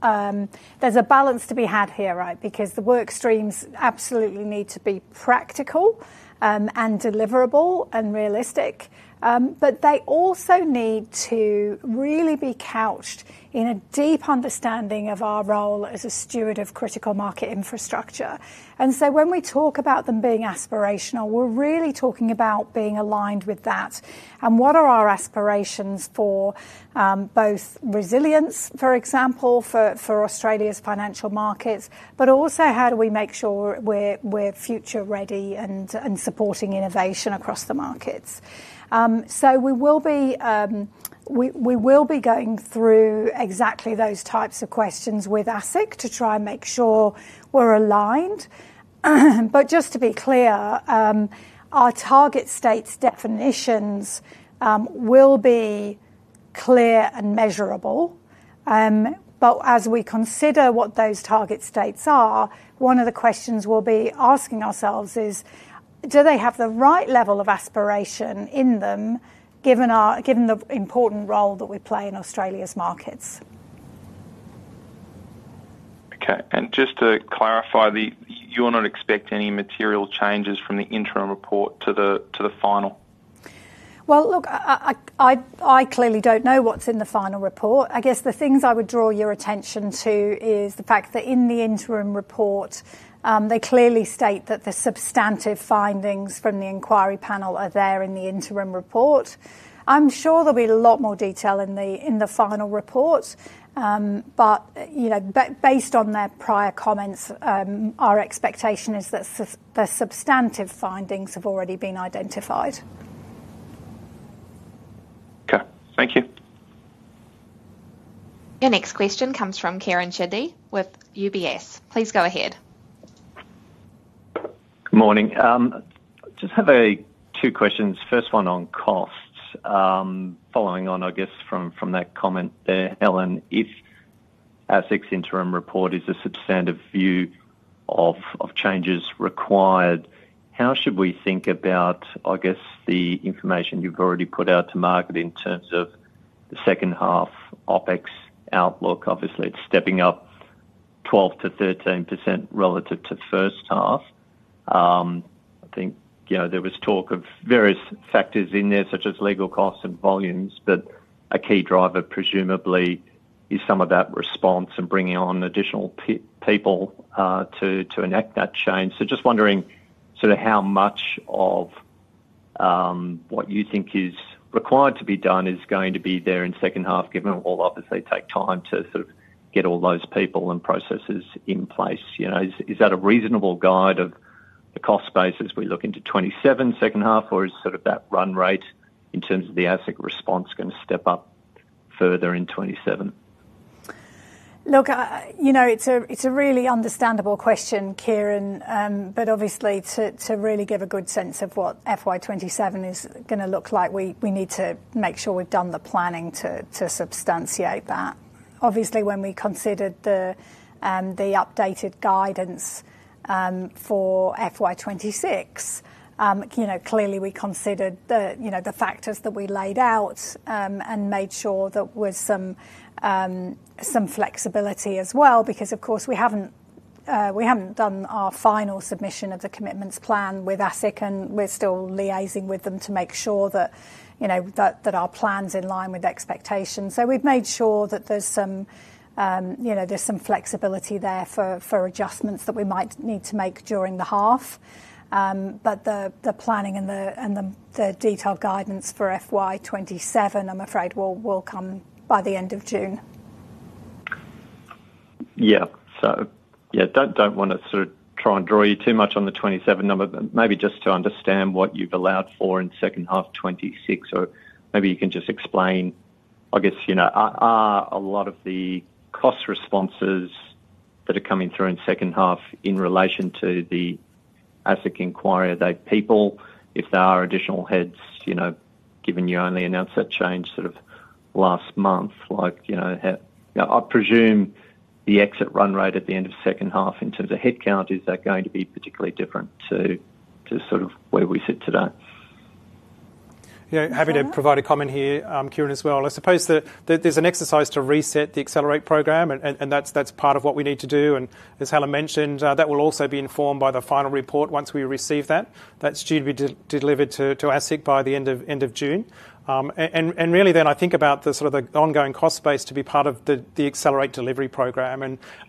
Speaker 1: there's a balance to be had here, right, because the work streams absolutely need to be practical and deliverable and realistic. But they also need to really be couched in a deep understanding of our role as a steward of critical market infrastructure. And so, when we talk about them being aspirational, we're really talking about being aligned with that. And what are our aspirations for both resilience, for example, for Australia's financial markets, but also how do we make sure we're future-ready and supporting innovation across the markets? So, we will be going through exactly those types of questions with ASIC to try and make sure we're aligned. But just to be clear, our target states definitions will be clear and measurable. But as we consider what those target states are, one of the questions we'll be asking ourselves is, do they have the right level of aspiration in them, given the important role that we play in Australia's markets?
Speaker 5: Okay. Just to clarify, you're not expecting any material changes from the interim report to the final?
Speaker 1: Well, look, I clearly don't know what's in the final report. I guess the things I would draw your attention to is the fact that in the interim report, they clearly state that the substantive findings from the inquiry panel are there in the interim report. I'm sure there'll be a lot more detail in the final report. But based on their prior comments, our expectation is that the substantive findings have already been identified.
Speaker 5: Okay. Thank you.
Speaker 3: Your next question comes from Kieren Chidgey with UBS. Please go ahead.
Speaker 6: Good morning. Just have two questions. First one on costs. Following on, I guess, from that comment there, Helen, if ASIC's interim report is a substantive view of changes required, how should we think about, I guess, the information you've already put out to market in terms of the second half OpEx outlook? Obviously, it's stepping up 12%-13% relative to first half. I think there was talk of various factors in there, such as legal costs and volumes. But a key driver, presumably, is some of that response and bringing on additional people to enact that change. So, just wondering sort of how much of what you think is required to be done is going to be there in second half, given all, obviously, take time to sort of get all those people and processes in place. Is that a reasonable guide of the cost base as we look into 2027 second half, or is sort of that run rate in terms of the ASIC response going to step up further in 2027?
Speaker 1: Look, it's a really understandable question, Kieren. But obviously, to really give a good sense of what FY 2027 is going to look like, we need to make sure we've done the planning to substantiate that. Obviously, when we considered the updated guidance for FY 2026, clearly, we considered the factors that we laid out and made sure that there was some flexibility as well. Because, of course, we haven't done our final submission of the commitments plan with ASIC, and we're still liaising with them to make sure that our plans in line with expectations. So, we've made sure that there's some flexibility there for adjustments that we might need to make during the half. But the planning and the detailed guidance for FY 2027, I'm afraid, will come by the end of June.
Speaker 6: Yeah. So, yeah, don't want to sort of try and draw you too much on the 2027 number, but maybe just to understand what you've allowed for in second half 2026. Or maybe you can just explain, I guess, are a lot of the cost responses that are coming through in second half in relation to the ASIC inquiry, are they people? If there are additional heads, given you only announced that change sort of last month, like I presume the exit run rate at the end of second half in terms of headcount, is that going to be particularly different to sort of where we sit today?
Speaker 2: Yeah, happy to provide a comment here, Kieren, as well. I suppose that there's an exercise to reset the Accelerate program, and that's part of what we need to do. As Helen mentioned, that will also be informed by the final report once we receive that. That's due to be delivered to ASIC by the end of June. Really, then, I think about sort of the ongoing cost base to be part of the Accelerate delivery program.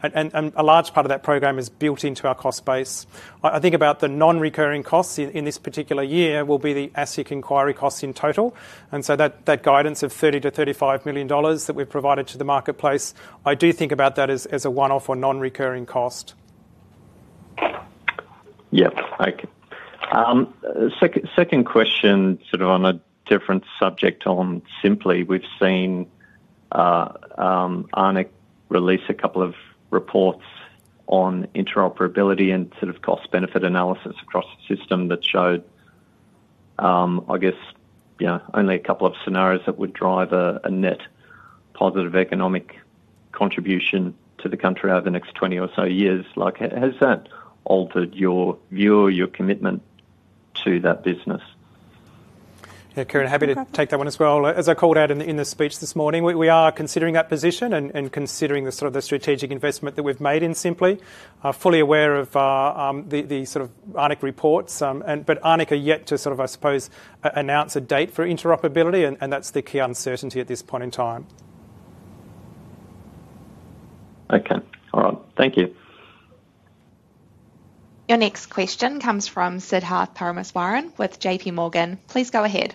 Speaker 2: A large part of that program is built into our cost base. I think about the non-recurring costs in this particular year will be the ASIC inquiry costs in total. So, that guidance of 30 million-35 million dollars that we've provided to the marketplace, I do think about that as a one-off or non-recurring cost.
Speaker 6: Yep. Thank you. Second question, sort of on a different subject on Sympli, we've seen Arup release a couple of reports on interoperability and sort of cost-benefit analysis across the system that showed, I guess, only a couple of scenarios that would drive a net positive economic contribution to the country over the next 20 or so years. Has that altered your view or your commitment to that business?
Speaker 2: Yeah, Kieren, happy to take that one as well. As I called out in the speech this morning, we are considering that position and considering sort of the strategic investment that we've made in Sympli. Fully aware of the sort of ARNECC reports, but ARNECC are yet to sort of, I suppose, announce a date for interoperability. That's the key uncertainty at this point in time.
Speaker 6: Okay. All right. Thank you.
Speaker 3: Your next question comes from Siddharth Parameswaran with JPMorgan. Please go ahead.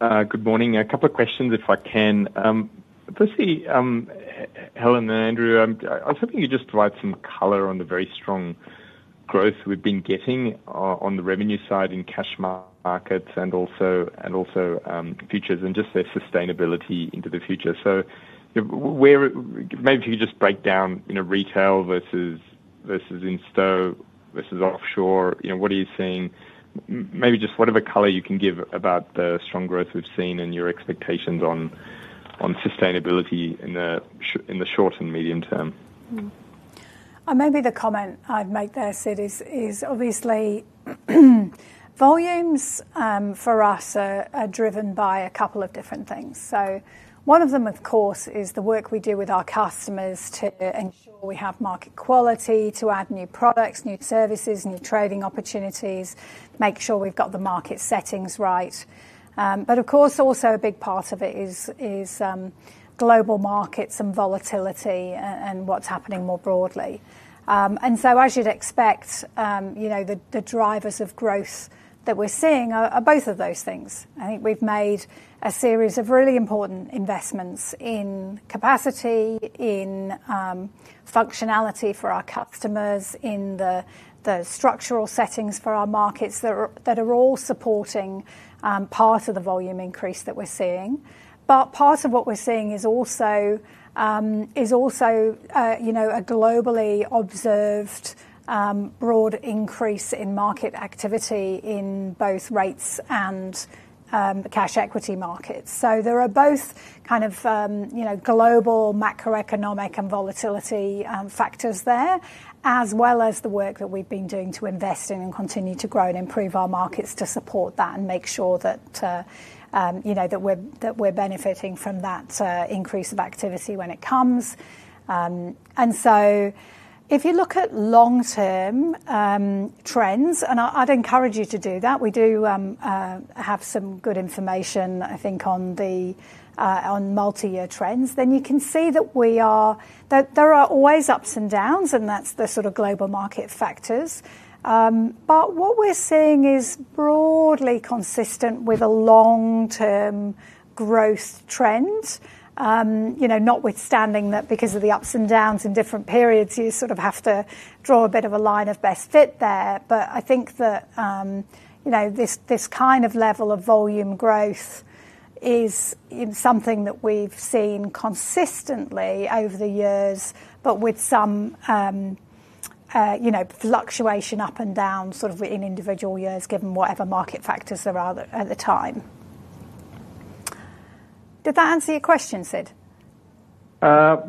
Speaker 7: Good morning. A couple of questions, if I can. Firstly, Helen and Andrew, I was hoping you'd just provide some color on the very strong growth we've been getting on the revenue side in cash markets and also futures and just their sustainability into the future. So maybe if you could just break down retail versus in-store versus offshore, what are you seeing? Maybe just whatever color you can give about the strong growth we've seen and your expectations on sustainability in the short and medium term.
Speaker 1: Maybe the comment I'd make there, Sid, is obviously, volumes for us are driven by a couple of different things. One of them, of course, is the work we do with our customers to ensure we have market quality, to add new products, new services, new trading opportunities, make sure we've got the market settings right. Of course, also a big part of it is global markets and volatility and what's happening more broadly. As you'd expect, the drivers of growth that we're seeing are both of those things. I think we've made a series of really important investments in capacity, in functionality for our customers, in the structural settings for our markets that are all supporting part of the volume increase that we're seeing. But part of what we're seeing is also a globally observed broad increase in market activity in both rates and cash equity markets. So there are both kind of global macroeconomic and volatility factors there, as well as the work that we've been doing to invest in and continue to grow and improve our markets to support that and make sure that we're benefiting from that increase of activity when it comes. And so, if you look at long-term trends, and I'd encourage you to do that. We do have some good information, I think, on multi-year trends. Then you can see that there are always ups and downs, and that's the sort of global market factors. But what we're seeing is broadly consistent with a long-term growth trend, notwithstanding that because of the ups and downs in different periods, you sort of have to draw a bit of a line of best fit there. But I think that this kind of level of volume growth is something that we've seen consistently over the years, but with some fluctuation up and down sort of in individual years, given whatever market factors there are at the time. Did that answer your question, Sid?
Speaker 7: Not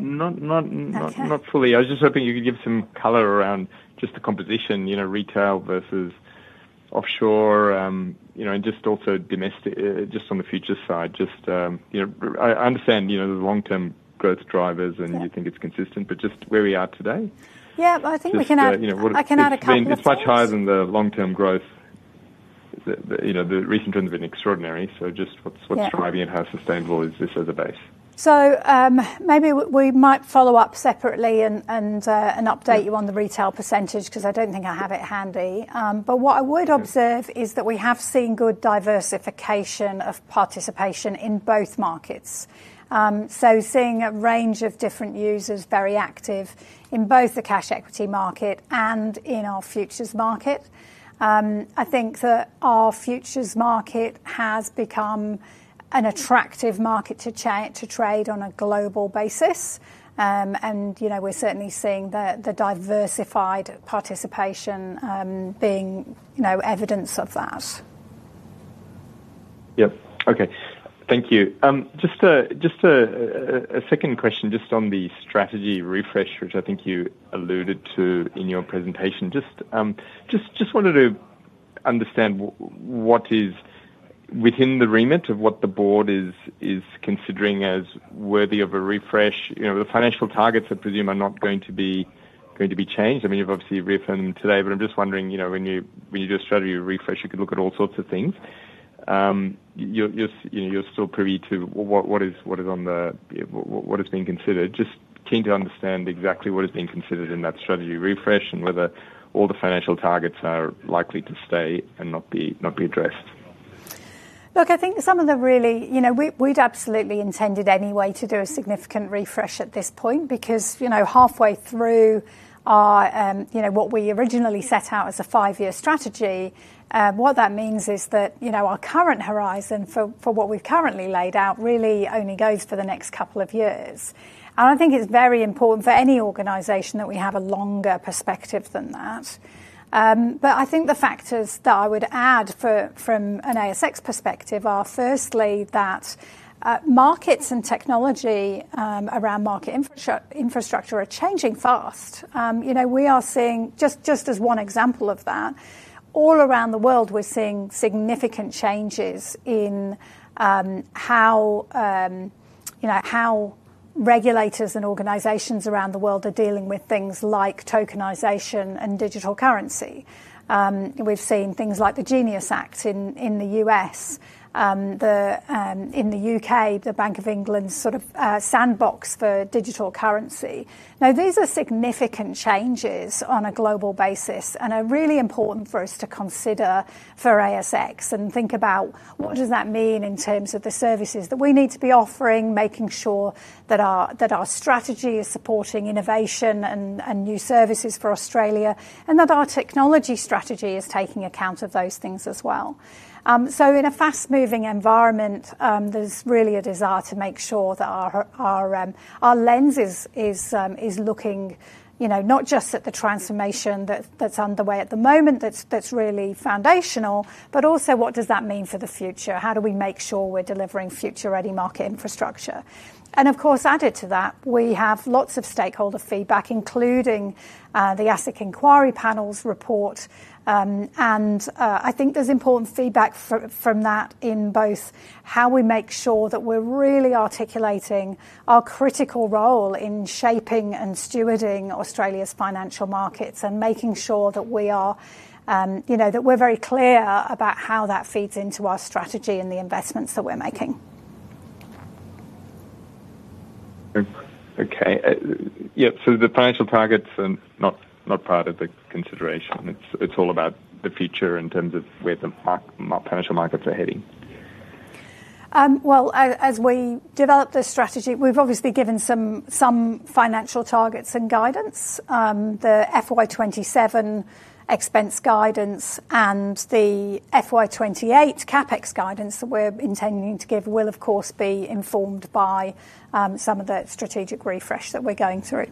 Speaker 7: fully. I was just hoping you could give some color around just the composition, retail versus offshore, and just also just on the futures side. I understand there's long-term growth drivers, and you think it's consistent. But just where we are today?
Speaker 1: Yeah. I think we can add. I can add a couple of things.
Speaker 7: It's much higher than the long-term growth. The recent trends have been extraordinary. So just what's driving it? How sustainable is this as a base?
Speaker 1: So maybe we might follow up separately and update you on the retail percentage because I don't think I have it handy. But what I would observe is that we have seen good diversification of participation in both markets. So seeing a range of different users very active in both the cash equity market and in our futures market. I think that our futures market has become an attractive market to trade on a global basis. And we're certainly seeing the diversified participation being evidence of that.
Speaker 7: Yep. Okay. Thank you. Just a second question, just on the strategy refresh, which I think you alluded to in your presentation. Just wanted to understand what is within the remit of what the board is considering as worthy of a refresh. The financial targets, I presume, are not going to be changed. I mean, you've obviously reaffirmed them today. But I'm just wondering, when you do a strategy refresh, you could look at all sorts of things. You're still privy to what is being considered. Just keen to understand exactly what is being considered in that strategy refresh and whether all the financial targets are likely to stay and not be addressed.
Speaker 1: Look, I think some of the really we'd absolutely intended anyway to do a significant refresh at this point because halfway through what we originally set out as a five-year strategy, what that means is that our current horizon for what we've currently laid out really only goes for the next couple of years. And I think it's very important for any organization that we have a longer perspective than that. But I think the factors that I would add from an ASX perspective are, firstly, that markets and technology around market infrastructure are changing fast. We are seeing just as one example of that, all around the world, we're seeing significant changes in how regulators and organizations around the world are dealing with things like tokenization and digital currency. We've seen things like the GENIUS Act in the U.S.. In the U.K., the Bank of England's sort of sandbox for digital currency. Now, these are significant changes on a global basis and are really important for us to consider for ASX and think about what does that mean in terms of the services that we need to be offering, making sure that our strategy is supporting innovation and new services for Australia, and that our technology strategy is taking account of those things as well. So in a fast-moving environment, there's really a desire to make sure that our lens is looking not just at the transformation that's underway at the moment that's really foundational, but also, what does that mean for the future? How do we make sure we're delivering future-ready market infrastructure? And of course, added to that, we have lots of stakeholder feedback, including the ASIC Inquiry Panel's report. I think there's important feedback from that in both how we make sure that we're really articulating our critical role in shaping and stewarding Australia's financial markets and making sure that we're very clear about how that feeds into our strategy and the investments that we're making.
Speaker 7: Okay. Yeah. So the financial targets are not part of the consideration. It's all about the future in terms of where the financial markets are heading.
Speaker 1: Well, as we develop this strategy, we've obviously given some financial targets and guidance. The FY 2027 expense guidance and the FY 2028 CapEx guidance that we're intending to give will, of course, be informed by some of the strategic refresh that we're going through.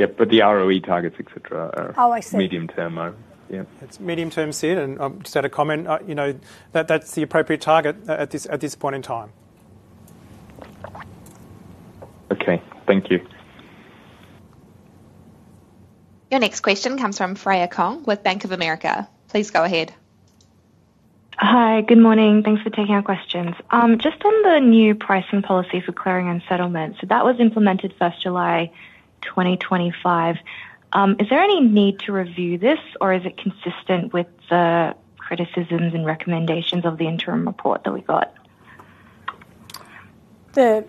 Speaker 7: Yep. But the ROE targets, etc., are medium-term, are? Yeah.
Speaker 2: It's medium-term, Sid. And just add a comment. That's the appropriate target at this point in time.
Speaker 7: Okay. Thank you.
Speaker 3: Your next question comes from Freya Kong with Bank of America. Please go ahead.
Speaker 8: Hi. Good morning. Thanks for taking our questions. Just on the new pricing policy for clearing and settlement, so that was implemented 1st July 2025. Is there any need to review this, or is it consistent with the criticisms and recommendations of the interim report that we got?
Speaker 1: The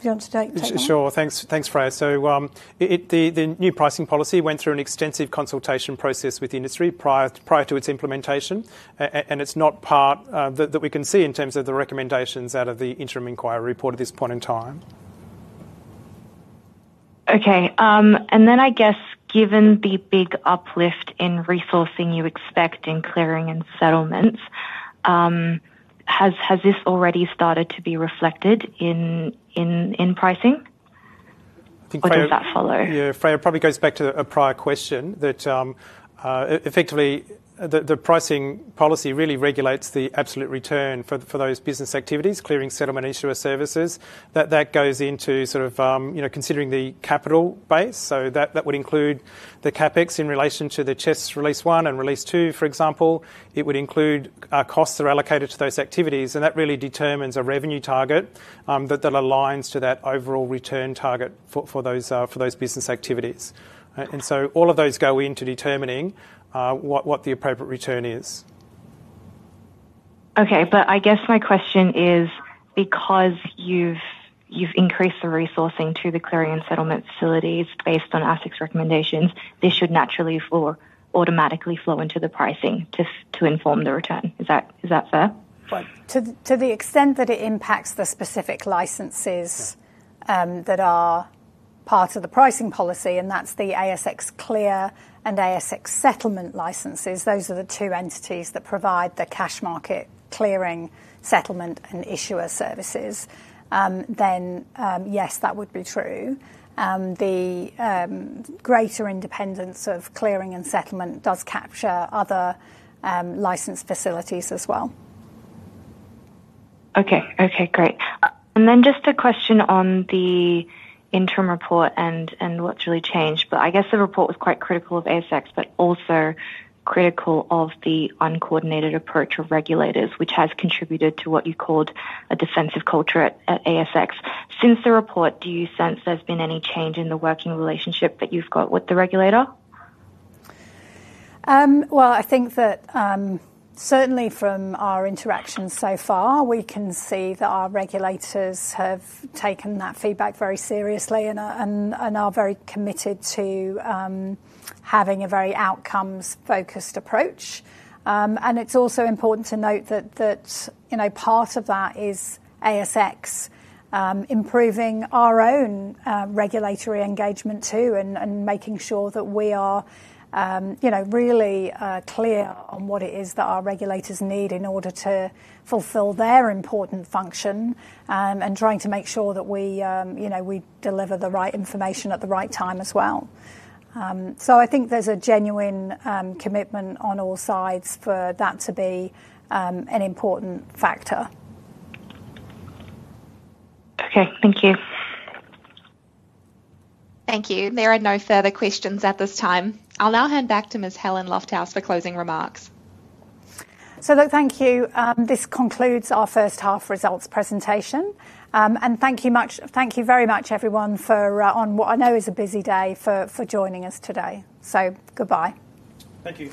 Speaker 1: Beyond stake?
Speaker 2: Sure. Thanks, Freya. So the new pricing policy went through an extensive consultation process with the industry prior to its implementation. And it's not part that we can see in terms of the recommendations out of the interim inquiry report at this point in time.
Speaker 8: Okay. And then, I guess, given the big uplift in resourcing you expect in clearing and settlements, has this already started to be reflected in pricing? Or does that follow?
Speaker 2: Yeah. Freya probably goes back to a prior question that effectively, the pricing policy really regulates the absolute return for those business activities, clearing, settlement, issuer, services. That goes into sort of considering the capital base. So that would include the CapEx in relation to the CHESS Release 1 and Release 2, for example. It would include costs that are allocated to those activities. And that really determines a revenue target that aligns to that overall return target for those business activities. And so all of those go into determining what the appropriate return is.
Speaker 8: Okay. But I guess my question is, because you've increased the resourcing to the clearing and settlement facilities based on ASIC's recommendations, this should naturally or automatically flow into the pricing to inform the return. Is that fair?
Speaker 1: To the extent that it impacts the specific licences that are part of the pricing policy, and that's the ASX Clear and ASX Settlement licences, those are the two entities that provide the cash market clearing, settlement, and Issuer Services, then yes, that would be true. The greater independence of clearing and settlement does capture other licensed facilities as well.
Speaker 8: Okay. Okay. Great. And then just a question on the interim report and what's really changed. But I guess the report was quite critical of ASX, but also critical of the uncoordinated approach of regulators, which has contributed to what you called a defensive culture at ASX. Since the report, do you sense there's been any change in the working relationship that you've got with the regulator?
Speaker 1: Well, I think that certainly from our interactions so far, we can see that our regulators have taken that feedback very seriously and are very committed to having a very outcomes-focused approach. It's also important to note that part of that is ASX improving our own regulatory engagement too and making sure that we are really clear on what it is that our regulators need in order to fulfill their important function and trying to make sure that we deliver the right information at the right time as well. I think there's a genuine commitment on all sides for that to be an important factor.
Speaker 8: Okay. Thank you.
Speaker 3: Thank you. There are no further questions at this time. I'll now hand back to Ms. Helen Lofthouse for closing remarks.
Speaker 1: Look, thank you. This concludes our first half results presentation. Thank you very much, everyone, on what I know is a busy day for joining us today. Goodbye.
Speaker 2: Thank you.